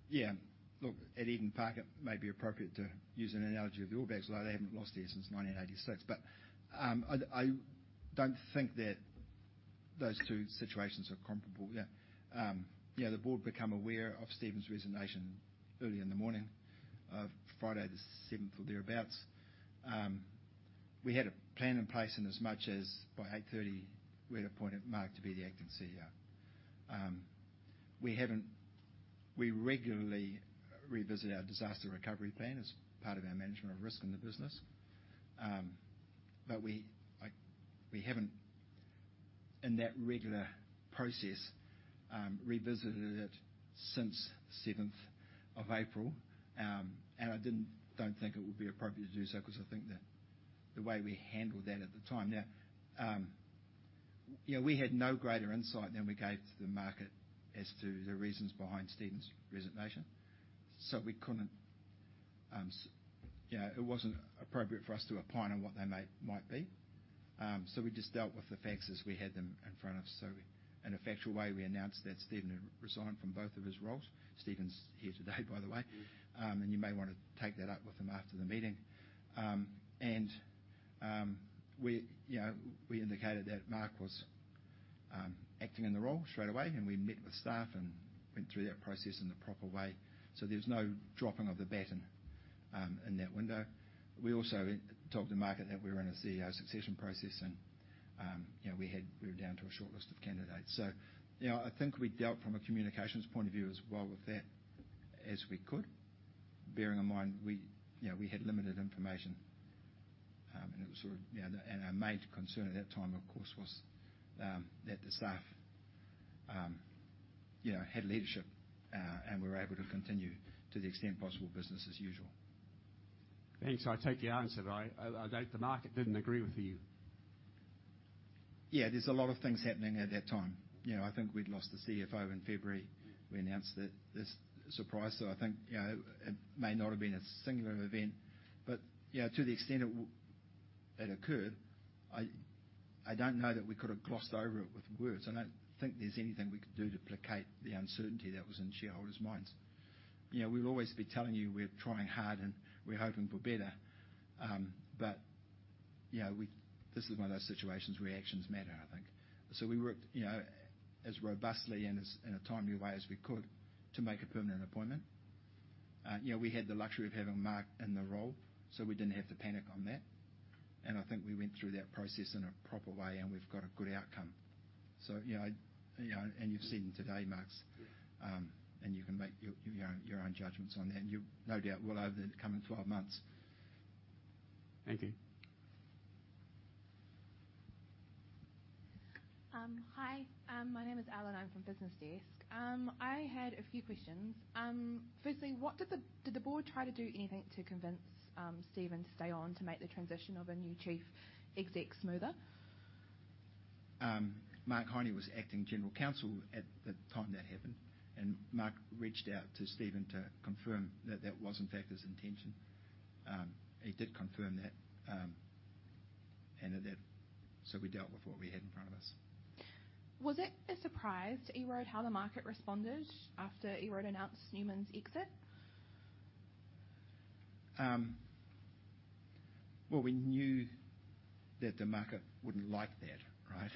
A: Yeah. Look, at Eden Park, it may be appropriate to use an analogy of the All Blacks, though they haven't lost there since 1986. I don't think that those two situations are comparable. The board became aware of Steven's resignation early in the morning of Friday the 7th or thereabouts. We had a plan in place in as much as by 8:30 A.M. we had appointed Mark to be the acting CEO. We regularly revisit our disaster recovery plan as part of our management of risk in the business. We, like, haven't, in that regular process, revisited it since 7th of April. Don't think it would be appropriate to do so because I think that the way we handled that at the time. Now, yeah, we had no greater insight than we gave to the market as to the reasons behind Steven's resignation, so we couldn't. You know, it wasn't appropriate for us to opine on what they might be. We just dealt with the facts as we had them in front of us. In a factual way, we announced that Steven had resigned from both of his roles. Steven's here today, by the way. You may wanna take that up with him after the meeting. We, you know, we indicated that Mark was acting in the role straight away, and we met with staff and went through that process in the proper way. There was no dropping of the baton in that window. We also talked to market that we were in a CEO succession process and you know we were down to a shortlist of candidates. I think we dealt from a communications point of view as well with that as we could, bearing in mind you know we had limited information. Our major concern at that time, of course, was that the staff you know had leadership and were able to continue to the extent possible business as usual.
D: Thanks. I take the answer. I doubt the market didn't agree with you.
A: Yeah. There's a lot of things happening at that time. You know, I think we'd lost the CFO in February. We announced that. It's surprising. I think, you know, it may not have been a singular event. You know, to the extent it occurred, I don't know that we could have glossed over it with words. I don't think there's anything we could do to placate the uncertainty that was in shareholders' minds. You know, we'll always be telling you we're trying hard and we're hoping for better. You know, this is one of those situations where actions matter, I think. We worked, you know, as robustly and as in a timely way as we could to make a permanent appointment. You know, we had the luxury of having Mark in the role, so we didn't have to panic on that. I think we went through that process in a proper way, and we've got a good outcome. You know, and you've seen him today, Mark's.
D: Yeah.
A: You can make your own judgments on that, and you no doubt will over the coming 12 months.
D: Thank you.
F: Hi. My name is Ellen. I'm from BusinessDesk. I had a few questions. Firstly, did the board try to do anything to convince Steven to stay on to make the transition of a new chief exec smoother?
A: Mark Heine was acting general counsel at the time that happened, and Mark reached out to Steven to confirm that that was in fact his intention. He did confirm that, and that. We dealt with what we had in front of us.
F: Was it a surprise to EROAD how the market responded after EROAD announced Newman's exit?
A: Well, we knew that the market wouldn't like that, right?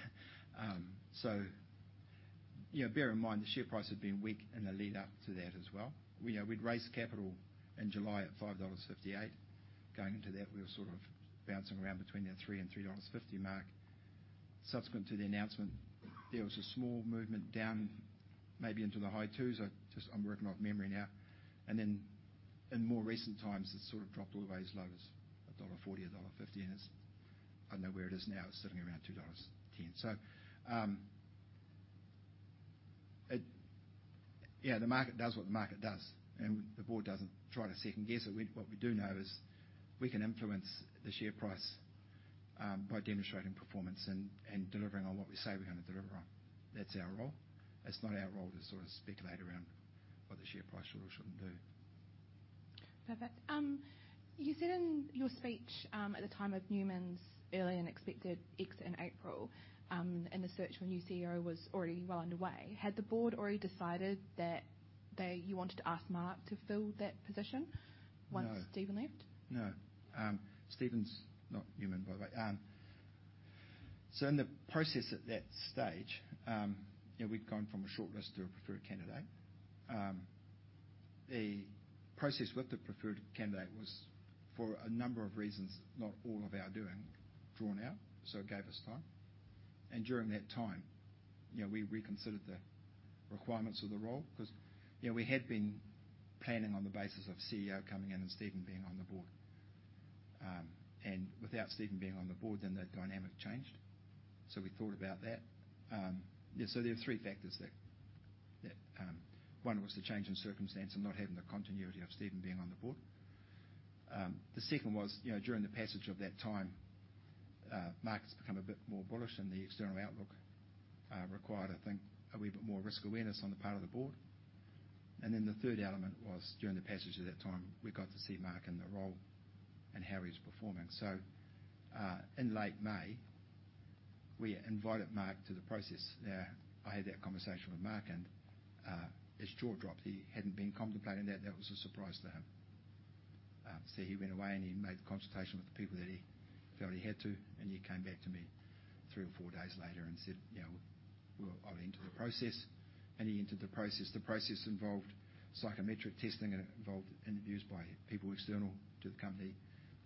A: Yeah, bear in mind, the share price had been weak in the lead-up to that as well. We know we'd raised capital in July at 5.58 dollars. Going into that, we were sort of bouncing around between 3 and 3.50 dollars mark. Subsequent to the announcement, there was a small movement down, maybe into the high 2s. I'm working off memory now. In more recent times, it sort of dropped all the way as low as dollar 1.40, dollar 1.50. I know where it is now. It's sitting around 2.10 dollars. Yeah, the market does what the market does, and the board doesn't try to second-guess it. What we do know is we can influence the share price by demonstrating performance and delivering on what we say we're gonna deliver on. That's our role. It's not our role to sort of speculate around what the share price should or shouldn't do.
F: Perfect. You said in your speech, at the time of Newman's early and expected exit in April, and the search for a new CEO was already well underway. Had the board already decided that they, you wanted to ask Mark to fill that position?
A: No.
F: Once Steven left?
A: No. Steven's not Newman, by the way. In the process at that stage, we'd gone from a short list to a preferred candidate. The process with the preferred candidate was, for a number of reasons, not all of our doing, drawn out, so it gave us time. During that time, you know, we reconsidered the requirements of the role 'cause, you know, we had been planning on the basis of CEO coming in and Steven being on the board. Without Steven being on the board, then the dynamic changed. We thought about that. There are three factors there that one was the change in circumstance and not having the continuity of Steven being on the board. The second was, you know, during the passage of that time, markets become a bit more bullish, and the external outlook required, I think, a wee bit more risk awareness on the part of the board. The third element was during the passage of that time, we got to see Mark in the role and how he was performing. In late May, we invited Mark to the process. I had that conversation with Mark, and his jaw dropped. He hadn't been contemplating that. That was a surprise to him. He went away, and he made consultation with the people that he felt he had to, and he came back to me three or four days later and said, "You know, I'll enter the process." He entered the process. The process involved psychometric testing, and it involved interviews by people external to the company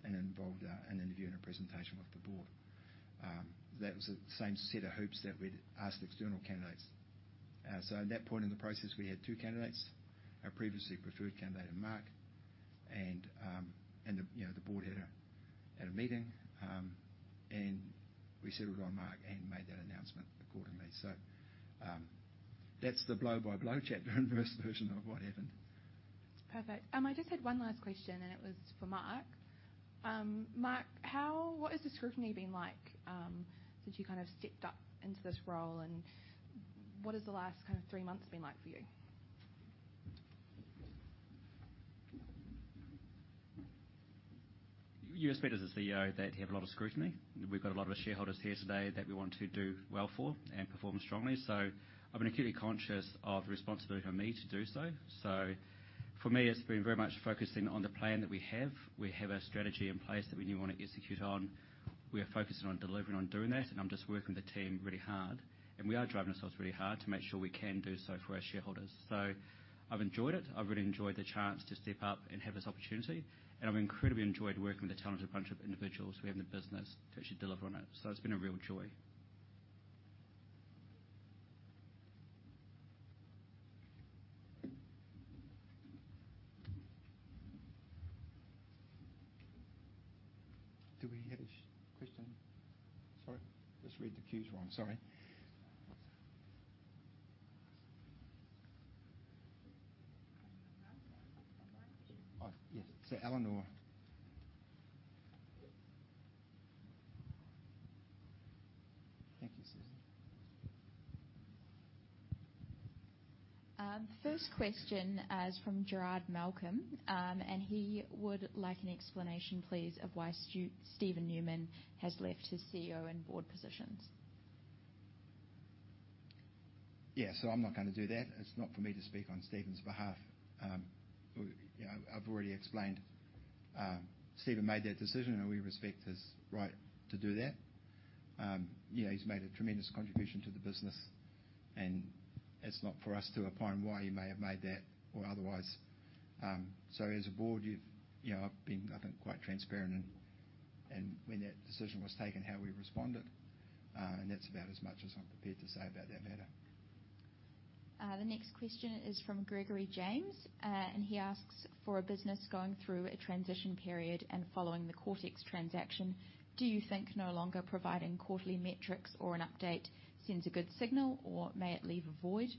A: and involved an interview and a presentation with the board. That was the same set of hoops that we'd asked external candidates. At that point in the process, we had two candidates, our previously preferred candidate and Mark. Then, you know, the board had a meeting, and we settled on Mark and made that announcement accordingly. That's the blow-by-blow chapter and verse version of what happened.
F: Perfect. I just had one last question, and it was for Mark. Mark, what has the scrutiny been like since you kind of stepped up into this role, and what has the last kind of three months been like for you?
B: You expect as a CEO that you have a lot of scrutiny. We've got a lot of our shareholders here today that we want to do well for and perform strongly. I've been acutely conscious of responsibility for me to do so. For me, it's been very much focusing on the plan that we have. We have a strategy in place that we want to execute on. We are focusing on delivering on doing that, and I'm just working the team really hard, and we are driving ourselves really hard to make sure we can do so for our shareholders. I've enjoyed it. I've really enjoyed the chance to step up and have this opportunity, and I've incredibly enjoyed working with a talented bunch of individuals we have in the business to actually deliver on it. It's been a real joy.
A: Do we have a question? Sorry. Just read the cues wrong. Sorry. Oh, yes. Eleanor. Thank you, Susan.
G: First question is from Gerard Malcolm. He would like an explanation, please, of why Steven Newman has left his CEO and board positions.
A: Yeah. I'm not gonna do that. It's not for me to speak on Steven's behalf. You know, I've already explained, Steven made that decision, and we respect his right to do that. You know, he's made a tremendous contribution to the business, and it's not for us to opine why he may have made that or otherwise. As a board, you know, I've been, I think, quite transparent and when that decision was taken, how we responded. That's about as much as I'm prepared to say about that matter.
G: The next question is from Gregory James. He asks, for a business going through a transition period and following the Coretex transaction, do you think no longer providing quarterly metrics or an update sends a good signal, or may it leave a void?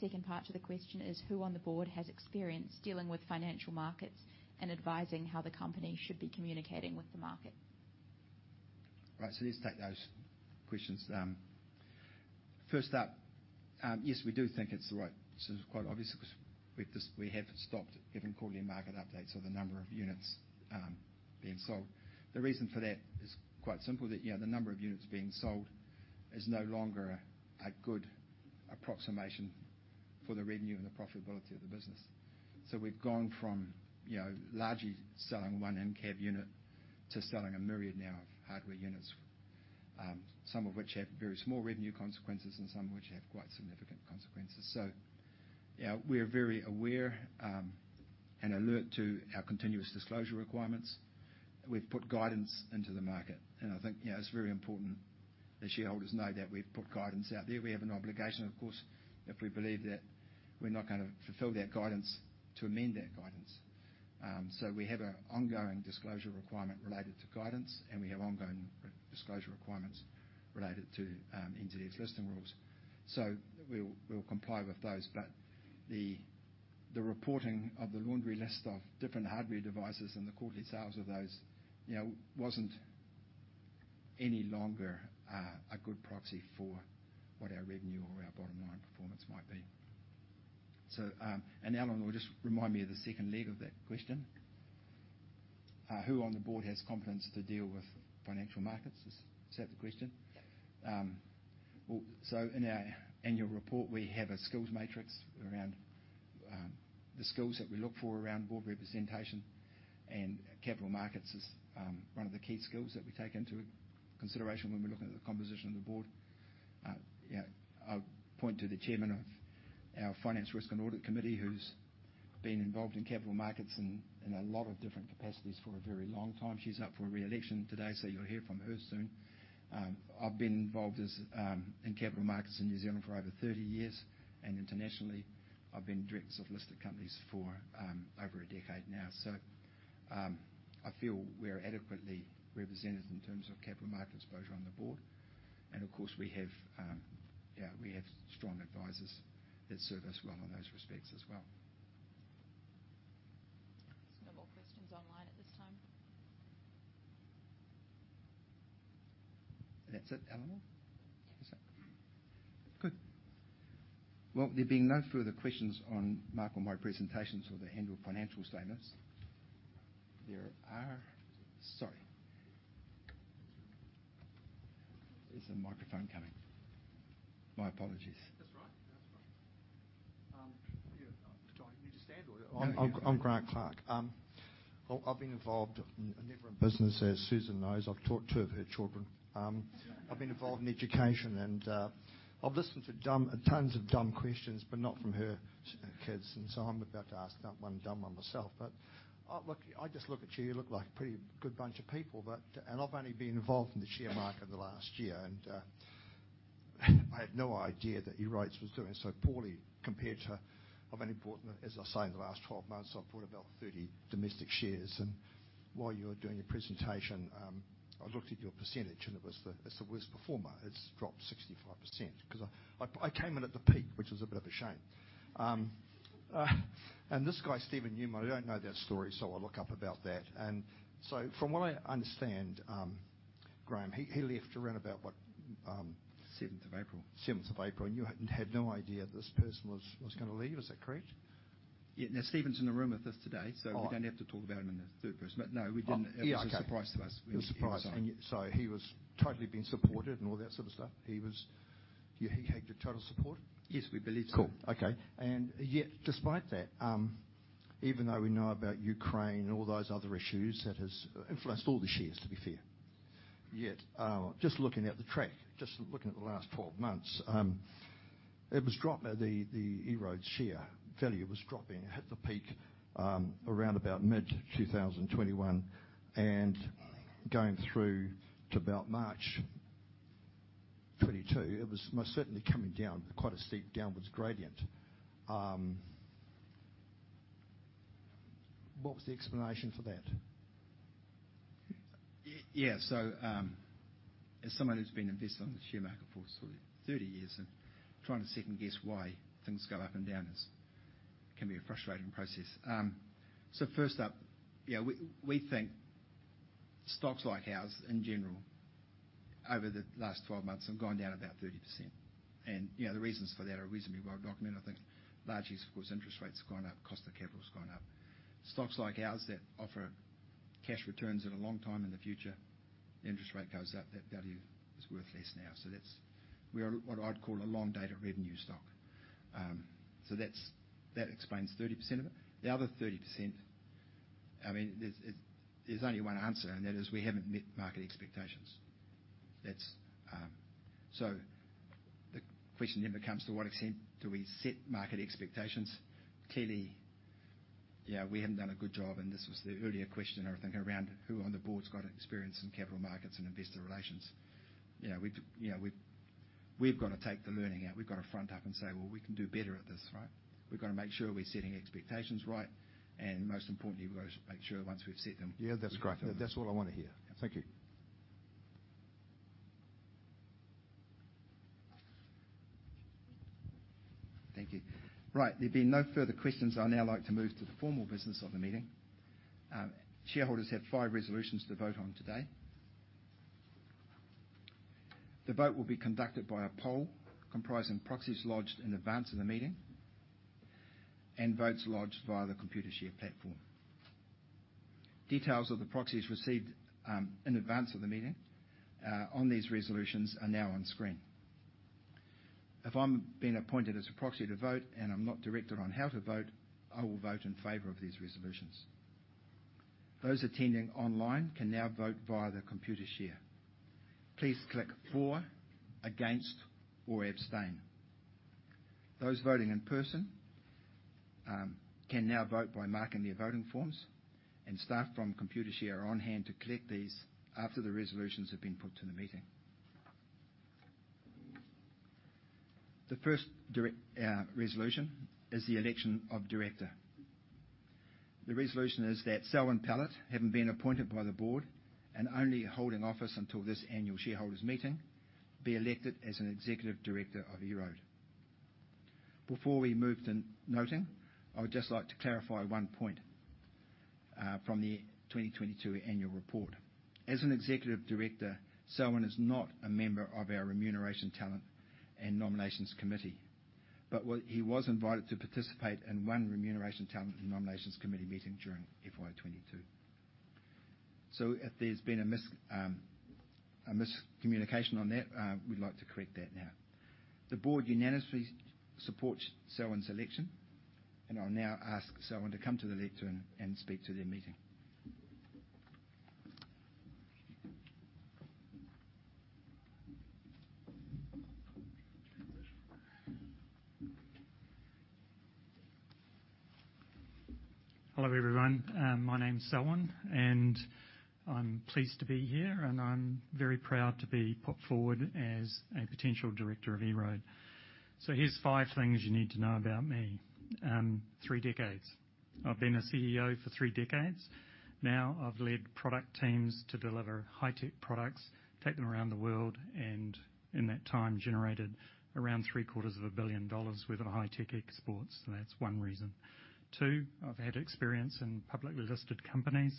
G: Second part to the question is, who on the board has experience dealing with financial markets and advising how the company should be communicating with the market?
A: Right. Let's take those questions. First up, yes, we do think it's the right. This is quite obvious because we have stopped giving quarterly market updates of the number of units being sold. The reason for that is quite simple, you know, the number of units being sold is no longer a good approximation for the revenue and the profitability of the business. We've gone from, you know, largely selling one NCAV unit to selling a myriad now of hardware units, some of which have very small revenue consequences and some of which have quite significant consequences. Yeah, we are very aware and alert to our continuous disclosure requirements. We've put guidance into the market, and I think, you know, it's very important that shareholders know that we've put guidance out there. We have an obligation, of course, if we believe that we're not gonna fulfill that guidance, to amend that guidance. We have an ongoing disclosure requirement related to guidance, and we have ongoing re-disclosure requirements related to NZX Listing Rules. We'll comply with those. The reporting of the laundry list of different hardware devices and the quarterly sales of those, you know, wasn't any longer a good proxy for what our revenue or our bottom line performance might be. Eleanor will just remind me of the second leg of that question. Who on the board has competence to deal with financial markets? Is that the question? Well, in our annual report, we have a skills matrix around the skills that we look for around board representation and capital markets is one of the key skills that we take into consideration when we're looking at the composition of the board. Yeah, I would point to the chairman of our Finance, Risk and Audit Committee who's been involved in capital markets in a lot of different capacities for a very long time. She's up for re-election today, so you'll hear from her soon. I've been involved in capital markets in New Zealand for over 30 years, and internationally, I've been directors of listed companies for over a decade now. I feel we're adequately represented in terms of capital market exposure on the board. Of course, we have strong advisors that serve us well in those respects as well.
G: There's no more questions online at this time.
A: That's it, Eleanor?
G: Yeah.
A: That's it. Good. Well, there being no further questions on Mark or my presentations or the annual financial statements, there's a microphone coming. My apologies.
H: That's all right. That's all right. Do I need to stand or? I'm Grant Clark. I've been involved never in business, as Susan knows. I've taught two of her children. I've been involved in education and I've listened to tons of dumb questions, but not from her kids, and so I'm about to ask one dumb one myself. I just look at you look like a pretty good bunch of people. I've only been involved in the share market in the last year, and I had no idea that EROAD was doing so poorly compared to. I've only bought, as I was saying, in the last 12 months, I've bought about 30 domestic shares. While you were doing your presentation, I looked at your percentage and it's the worst performer. It's dropped 65%, 'cause I came in at the peak, which was a bit of a shame. This guy, Steven Newman, I don't know that story, so I'll look up about that. From what I understand, Graham, he left around about, what,
A: 7th of April.
H: 7th of April. You had no idea this person was gonna leave. Is that correct?
A: Yeah. Now, Steven's in the room with us today.
H: Oh.
A: We don't have to talk about him in the third person. No, we didn't.
H: Oh, yeah, okay.
A: It was a surprise to us when he resigned.
H: It was a surprise. He was totally being supported and all that sort of stuff? He had your total support?
A: Yes, we believe so.
H: Cool. Okay. Yet despite that, even though we know about Ukraine and all those other issues, that has influenced all the shares, to be fair. Yet, just looking at the chart of the last 12 months, the EROAD's share value was dropping. It hit the peak around about mid 2021, and going through to about March 2022, it was most certainly coming down quite a steep downward gradient. What was the explanation for that?
A: Yeah. As someone who's been invested on the share market for sort of 30 years and trying to second-guess why things go up and down is a frustrating process. First up, you know, we think stocks like ours in general over the last 12 months have gone down about 30%. You know, the reasons for that are reasonably well documented. I think largely it's, of course, interest rates have gone up, cost of capital has gone up. Stocks like ours that offer cash returns at a long time in the future, the interest rate goes up, that value is worth less now. That's. We are what I'd call a long-dated revenue stock. That's that explains 30% of it. The other 30%, I mean, there's only one answer, and that is we haven't met market expectations. That's. The question then becomes to what extent do we set market expectations? Clearly, you know, we haven't done a good job, and this was the earlier question, I think, around who on the board's got experience in capital markets and investor relations. You know, we've got to take the learning out. We've got to front up and say, "Well, we can do better at this, right?" We've got to make sure we're setting expectations right, and most importantly, we've got to make sure once we've set them.
H: Yeah, that's great. That's all I wanna hear.
A: Yeah.
H: Thank you.
A: Thank you. Right. There being no further questions, I would now like to move to the formal business of the meeting. Shareholders have five resolutions to vote on today. The vote will be conducted by a poll comprising proxies lodged in advance of the meeting and votes lodged via the Computershare platform. Details of the proxies received in advance of the meeting on these resolutions are now on screen. If I'm being appointed as a proxy to vote, and I'm not directed on how to vote, I will vote in favor of these resolutions. Those attending online can now vote via the Computershare. Please click for, against, or abstain. Those voting in person can now vote by marking their voting forms, and staff from Computershare are on hand to collect these after the resolutions have been put to the meeting. The first resolution is the election of director. The resolution is that Selwyn Pellett, having been appointed by the board and only holding office until this annual shareholders' meeting, be elected as an executive director of EROAD. Before we move to voting, I would just like to clarify one point from the 2022 annual report. As an executive director, Selwyn is not a member of our Remuneration, Talent and Nomination Committee. He was invited to participate in one Remuneration, Talent and Nomination Committee meeting during FY 2022. If there's been a miscommunication on that, we'd like to correct that now. The board unanimously supports Selwyn's election, and I'll now ask Selwyn to come to the lectern and speak to the meeting.
C: Hello, everyone. My name's Selwyn, and I'm pleased to be here, and I'm very proud to be put forward as a potential director of EROAD. Here's five things you need to know about me. Three decades. I've been a CEO for three decades. Now, I've led product teams to deliver high-tech products, take them around the world, and in that time, generated around three-quarters of a billion dollars worth of high-tech exports. That's one reason. Two, I've had experience in publicly listed companies.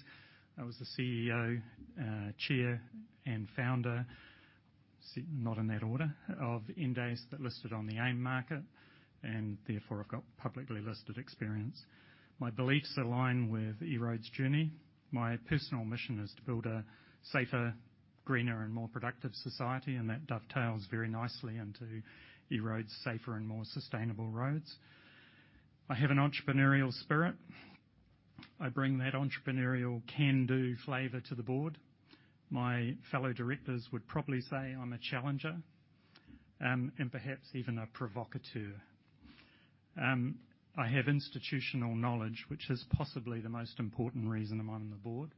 C: I was the CEO, chair, and founder not in that order, of Endace that listed on the AIM market, and therefore I've got publicly listed experience. My beliefs align with EROAD's journey. My personal mission is to build a safer, greener, and more productive society, and that dovetails very nicely into EROAD's safer and more sustainable roads. I have an entrepreneurial spirit. I bring that entrepreneurial can-do flavor to the board. My fellow directors would probably say I'm a challenger, and perhaps even a provocateur. I have institutional knowledge, which is possibly the most important reason I'm on the board.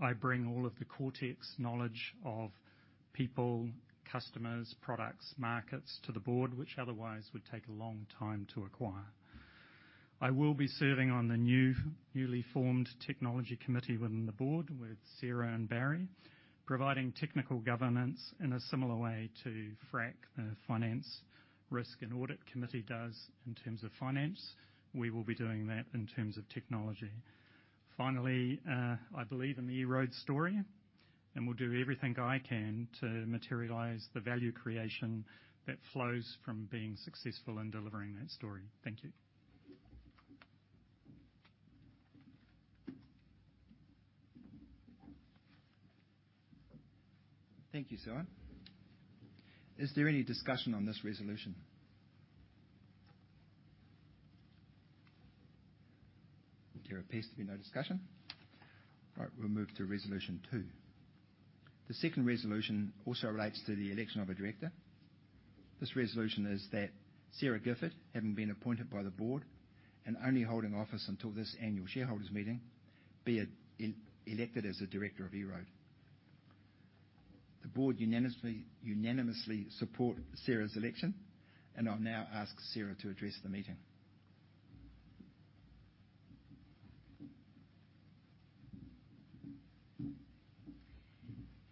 C: I bring all of the Coretex knowledge of people, customers, products, markets to the board, which otherwise would take a long time to acquire. I will be serving on the new, newly formed technology committee within the board with Sara and Barry, providing technical governance in a similar way to FRAC. The Finance, Risk and Audit Committee does in terms of finance. We will be doing that in terms of technology. Finally, I believe in the EROAD story, and will do everything I can to materialize the value creation that flows from being successful in delivering that story. Thank you.
A: Thank you, Selwyn. Is there any discussion on this resolution? There appears to be no discussion. All right, we'll move to resolution two. The second resolution also relates to the election of a director. This resolution is that Sara Gifford, having been appointed by the board and only holding office until this annual shareholders' meeting, be re-elected as a director of EROAD. The board unanimously supports Sara's election, and I'll now ask Sara to address the meeting.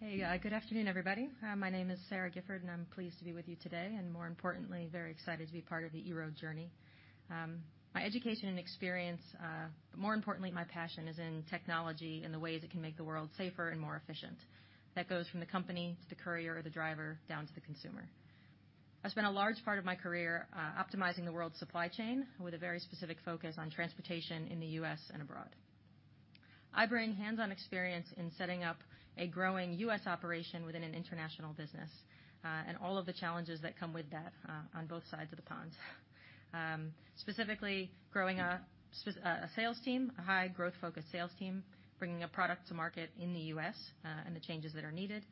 I: Hey. Good afternoon, everybody. My name is Sara Gifford, and I'm pleased to be with you today, and more importantly, very excited to be part of the EROAD journey. My education and experience, more importantly, my passion is in technology and the ways it can make the world safer and more efficient. That goes from the company to the courier or the driver, down to the consumer. I've spent a large part of my career, optimizing the world's supply chain with a very specific focus on transportation in the U.S. and abroad. I bring hands-on experience in setting up a growing U.S. operation within an international business, and all of the challenges that come with that, on both sides of the pond. Specifically growing a sales team, a high growth-focused sales team, bringing a product to market in the U.S., and the changes that are needed,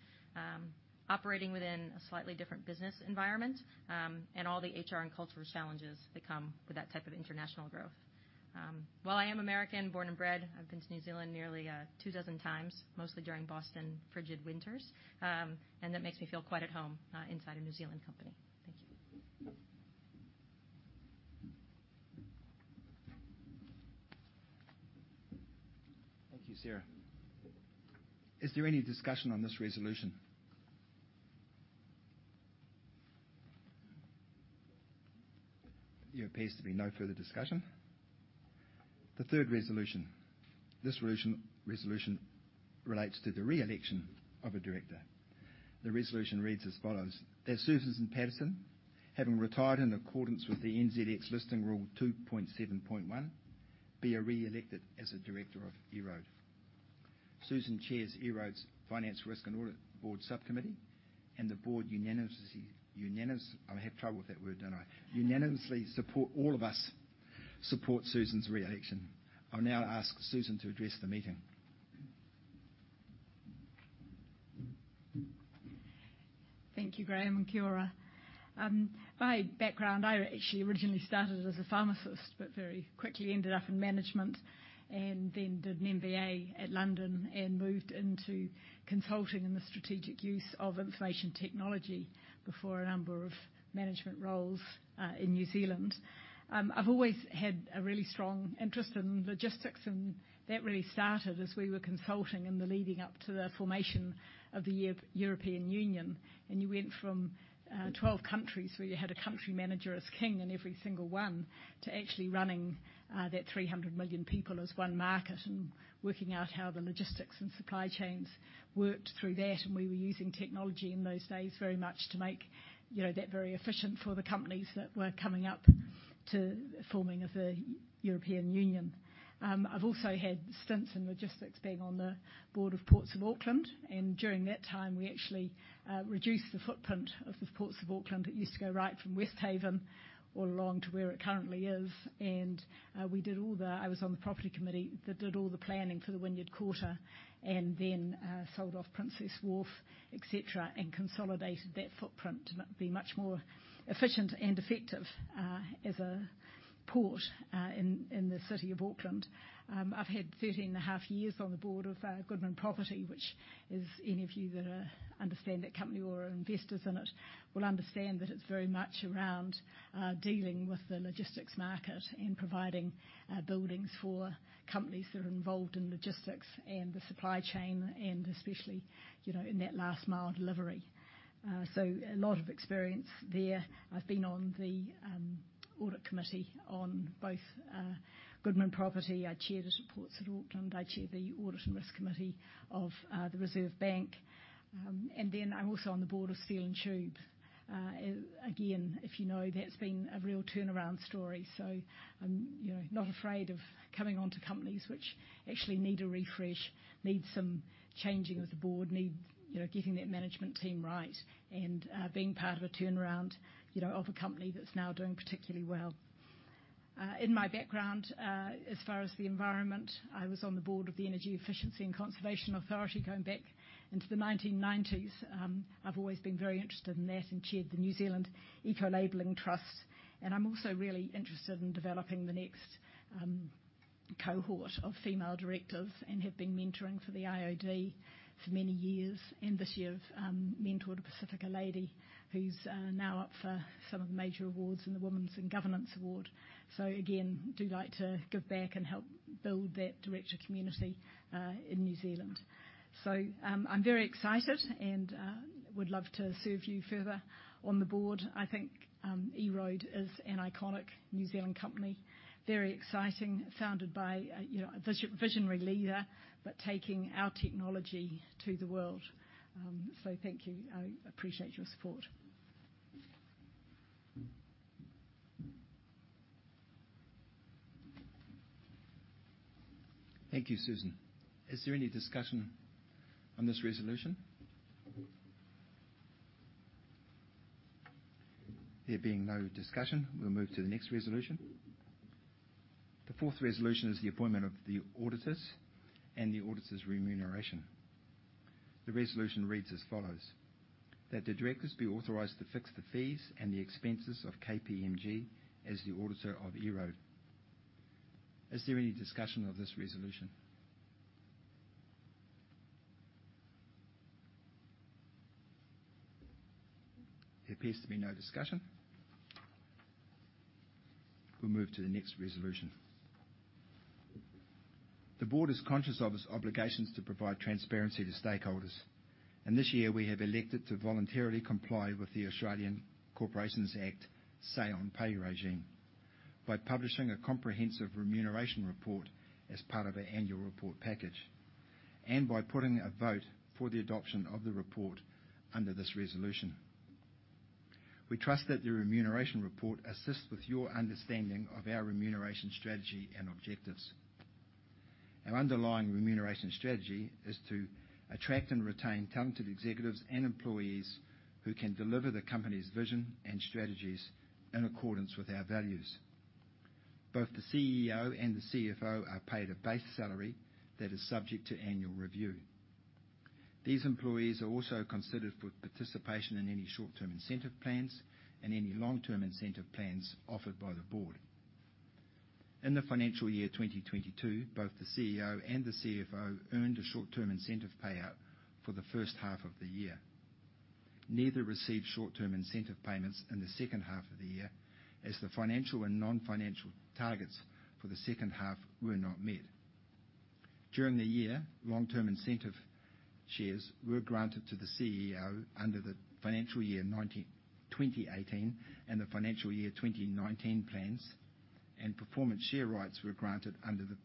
I: operating within a slightly different business environment, and all the HR and cultural challenges that come with that type of international growth. While I am American, born and bred, I've been to New Zealand nearly 2,000x, mostly during Boston frigid winters. That makes me feel quite at home inside a New Zealand company. Thank you.
A: Thank you, Sara. Is there any discussion on this resolution? There appears to be no further discussion. The third resolution. This resolution relates to the reelection of a director. The resolution reads as follows, "That Susan Paterson, having retired in accordance with the NZX Listing Rule 2.7.1, be reelected as a director of EROAD." Susan chairs EROAD's Finance, Risk, and Audit board subcommittee, and the board unanimously supports Susan's reelection. I'll now ask Susan to address the meeting.
J: Thank you, Graham, and kia ora. My background, I actually originally started as a pharmacist, but very quickly ended up in management and then did an MBA at London and moved into consulting in the strategic use of information technology before a number of management roles in New Zealand. I've always had a really strong interest in logistics, and that really started as we were consulting in the leading up to the formation of the European Union. You went from 12 countries, where you had a country manager as king in every single one, to actually running that 300 million people as one market and working out how the logistics and supply chains worked through that. We were using technology in those days very much to make, you know, that very efficient for the companies that were coming up to forming of the European Union. I've also had stints in logistics being on the board of Port of Auckland, and during that time, we actually reduced the footprint of the Port of Auckland. It used to go right from Westhaven all along to where it currently is. I was on the property committee that did all the planning for the Wynyard Quarter, and then sold off Princes Wharf, et cetera, and consolidated that footprint to be much more efficient and effective as a port in the City of Auckland. I've had 13.5 years on the board of Goodman Property Trust, which, if any of you that understand that company or are investors in it will understand that it's very much around dealing with the logistics market and providing buildings for companies that are involved in logistics and the supply chain, and especially, you know, in that last mile delivery. A lot of experience there. I've been on the audit committee on both Goodman Property Trust. I chaired the Port of Auckland. I chair the Audit and Risk Committee of the Reserve Bank of New Zealand. I'm also on the board of Steel & Tube. Again, if you know, that's been a real turnaround story. I'm, you know, not afraid of coming on to companies which actually need a refresh, need some changing of the board, need, you know, getting that management team right and, being part of a turnaround, you know, of a company that's now doing particularly well. In my background, as far as the environment, I was on the board of the Energy Efficiency and Conservation Authority, going back into the 1990s. I've always been very interested in that and chaired the New Zealand Ecolabelling Trust. I'm also really interested in developing the next, cohort of female directors and have been mentoring for the IoD for many years. This year I've, mentored a Pasifika lady who's, now up for some of the major awards and the Women in Governance Awards. Again, I do like to give back and help build that director community in New Zealand. I'm very excited and would love to serve you further on the board. I think EROAD is an iconic New Zealand company. Very exciting, founded by you know, a visionary leader, but taking our technology to the world. Thank you. I appreciate your support.
A: Thank you, Susan. Is there any discussion on this resolution? There being no discussion, we'll move to the next resolution. The fourth resolution is the appointment of the auditors and the auditor's remuneration. The resolution reads as follows, "That the directors be authorized to fix the fees and the expenses of KPMG as the auditor of EROAD." Is there any discussion of this resolution? There appears to be no discussion. We'll move to the next resolution. The board is conscious of its obligations to provide transparency to stakeholders, and this year we have elected to voluntarily comply with the Australian Corporations Act say on pay regime by publishing a comprehensive remuneration report as part of our annual report package and by putting a vote for the adoption of the report under this resolution. We trust that the remuneration report assists with your understanding of our remuneration strategy and objectives. Our underlying remuneration strategy is to attract and retain talented executives and employees who can deliver the company's vision and strategies in accordance with our values. Both the CEO and the CFO are paid a base salary that is subject to annual review. These employees are also considered for participation in any short-term incentive plans and any long-term incentive plans offered by the board. In the financial year 2022, both the CEO and the CFO earned a short-term incentive payout for the first half of the year. Neither received short-term incentive payments in the second half of the year as the financial and non-financial targets for the second half were not met. During the year, long-term incentive shares were granted to the CEO under the financial year 2018 and the financial year 2019 plans, and performance share rights were granted under the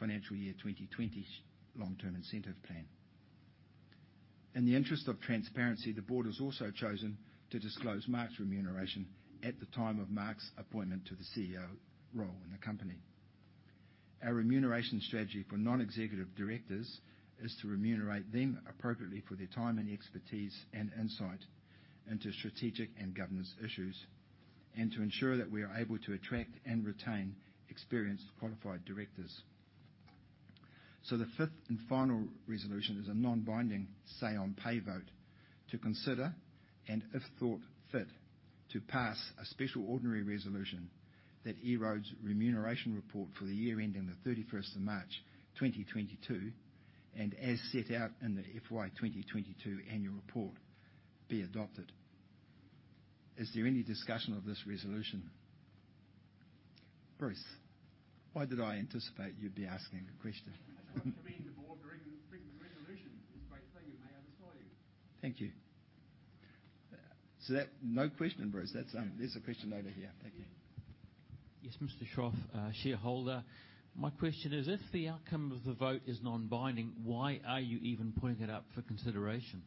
A: financial year 2020 long-term incentive plan. In the interest of transparency, the board has also chosen to disclose Mark's remuneration at the time of Mark's appointment to the CEO role in the company. Our remuneration strategy for non-executive directors is to remunerate them appropriately for their time and expertise and insight into strategic and governance issues, and to ensure that we are able to attract and retain experienced, qualified directors. The fifth and final resolution is a non-binding say on pay vote to consider, and if thought fit, to pass a special ordinary resolution that EROAD's remuneration report for the year ending the 31st of March 2022, and as set out in the FY 2022 annual report be adopted. Is there any discussion of this resolution? Bruce, why did I anticipate you'd be asking a question?
D: For being on the board during the resolution. It's a great thing. May I have a say?
A: Thank you. No question, Bruce. That's, there's a question over here. Thank you.
K: Yes, Mr. Shroff, shareholder. My question is, if the outcome of the vote is non-binding, why are you even putting it up for consideration?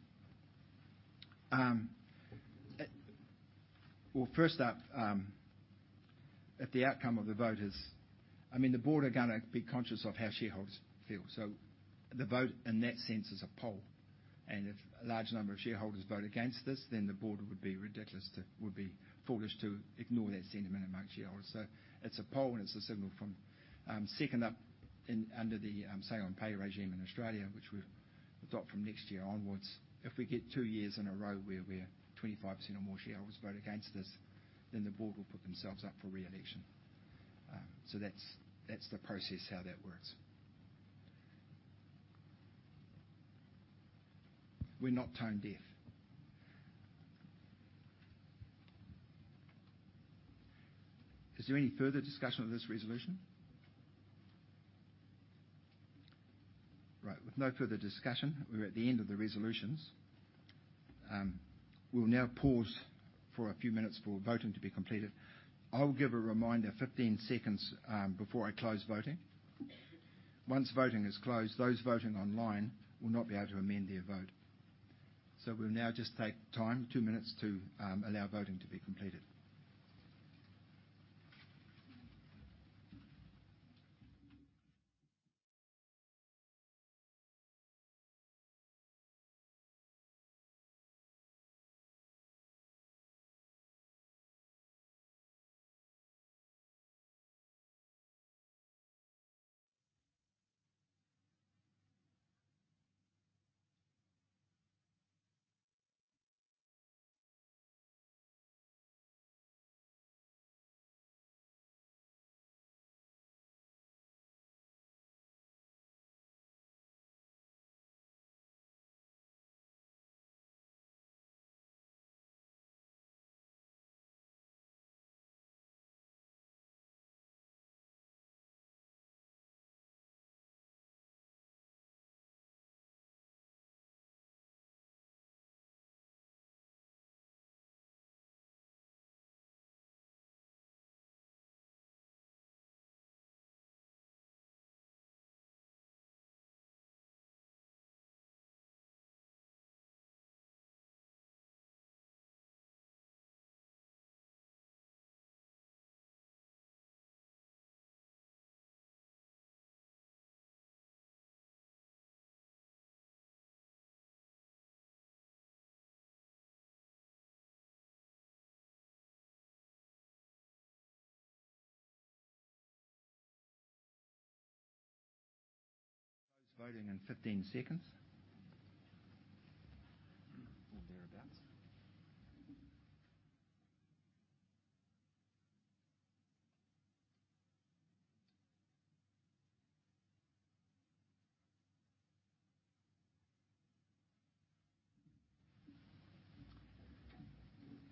A: Well, first up, if the outcome of the vote, I mean, the board are gonna be conscious of how shareholders feel. The vote in that sense is a poll, and if a large number of shareholders vote against this, then the board would be foolish to ignore that sentiment among shareholders. It's a poll and it's a signal from, second up under the say-on-pay regime in Australia, which we've adopted from next year onwards. If we get two years in a row where we're 25% or more shareholders vote against this, then the board will put themselves up for re-election. That's the process, how that works. We're not tone-deaf. Is there any further discussion of this resolution? Right. With no further discussion, we're at the end of the resolutions. We'll now pause for a few minutes for voting to be completed. I'll give a reminder 15 seconds before I close voting. Once voting is closed, those voting online will not be able to amend their vote. We'll now just take time, two minutes to allow voting to be completed. Close voting in 15 seconds or thereabout.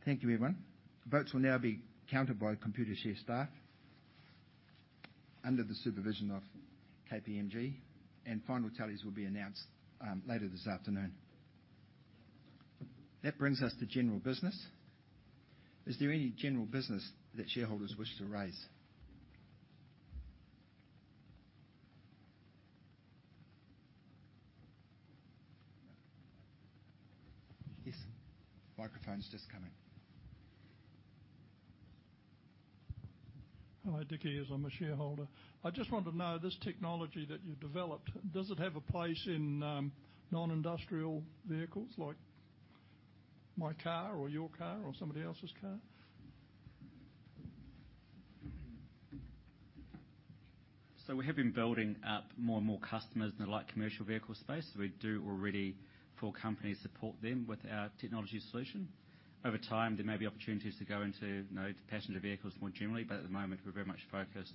A: Thank you, everyone. Votes will now be counted by Computershare staff under the supervision of KPMG, and final tallies will be announced later this afternoon. That brings us to general business. Is there any general business that shareholders wish to raise? Yes. Microphone's just coming.
L: Hello, Dicky. Yes, I'm a shareholder. I just want to know this technology that you've developed, does it have a place in non-industrial vehicles like my car or your car or somebody else's car?
B: We have been building up more and more customers in the light commercial vehicle space. We do already, for companies, support them with our technology solution. Over time, there may be opportunities to go into, you know, passenger vehicles more generally, but at the moment, we're very much focused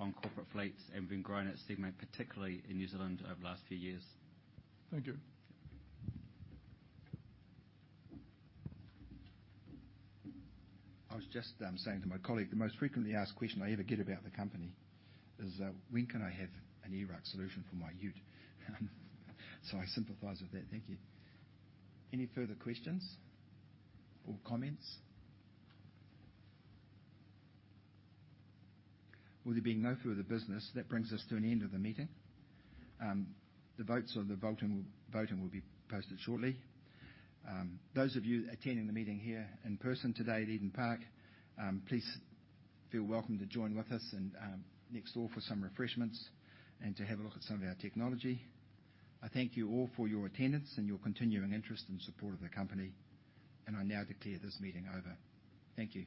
B: on corporate fleets and we've been growing that segment, particularly in New Zealand over the last few years.
L: Thank you.
A: I was just saying to my colleague, the most frequently asked question I ever get about the company is, when can I have an ERUC solution for my ute? I sympathize with that. Thank you. Any further questions or comments? There being no further business, that brings us to an end of the meeting. The votes or the voting will be posted shortly. Those of you attending the meeting here in person today at Eden Park, please feel welcome to join with us and next door for some refreshments and to have a look at some of our technology. I thank you all for your attendance and your continuing interest and support of the company, and I now declare this meeting over. Thank you.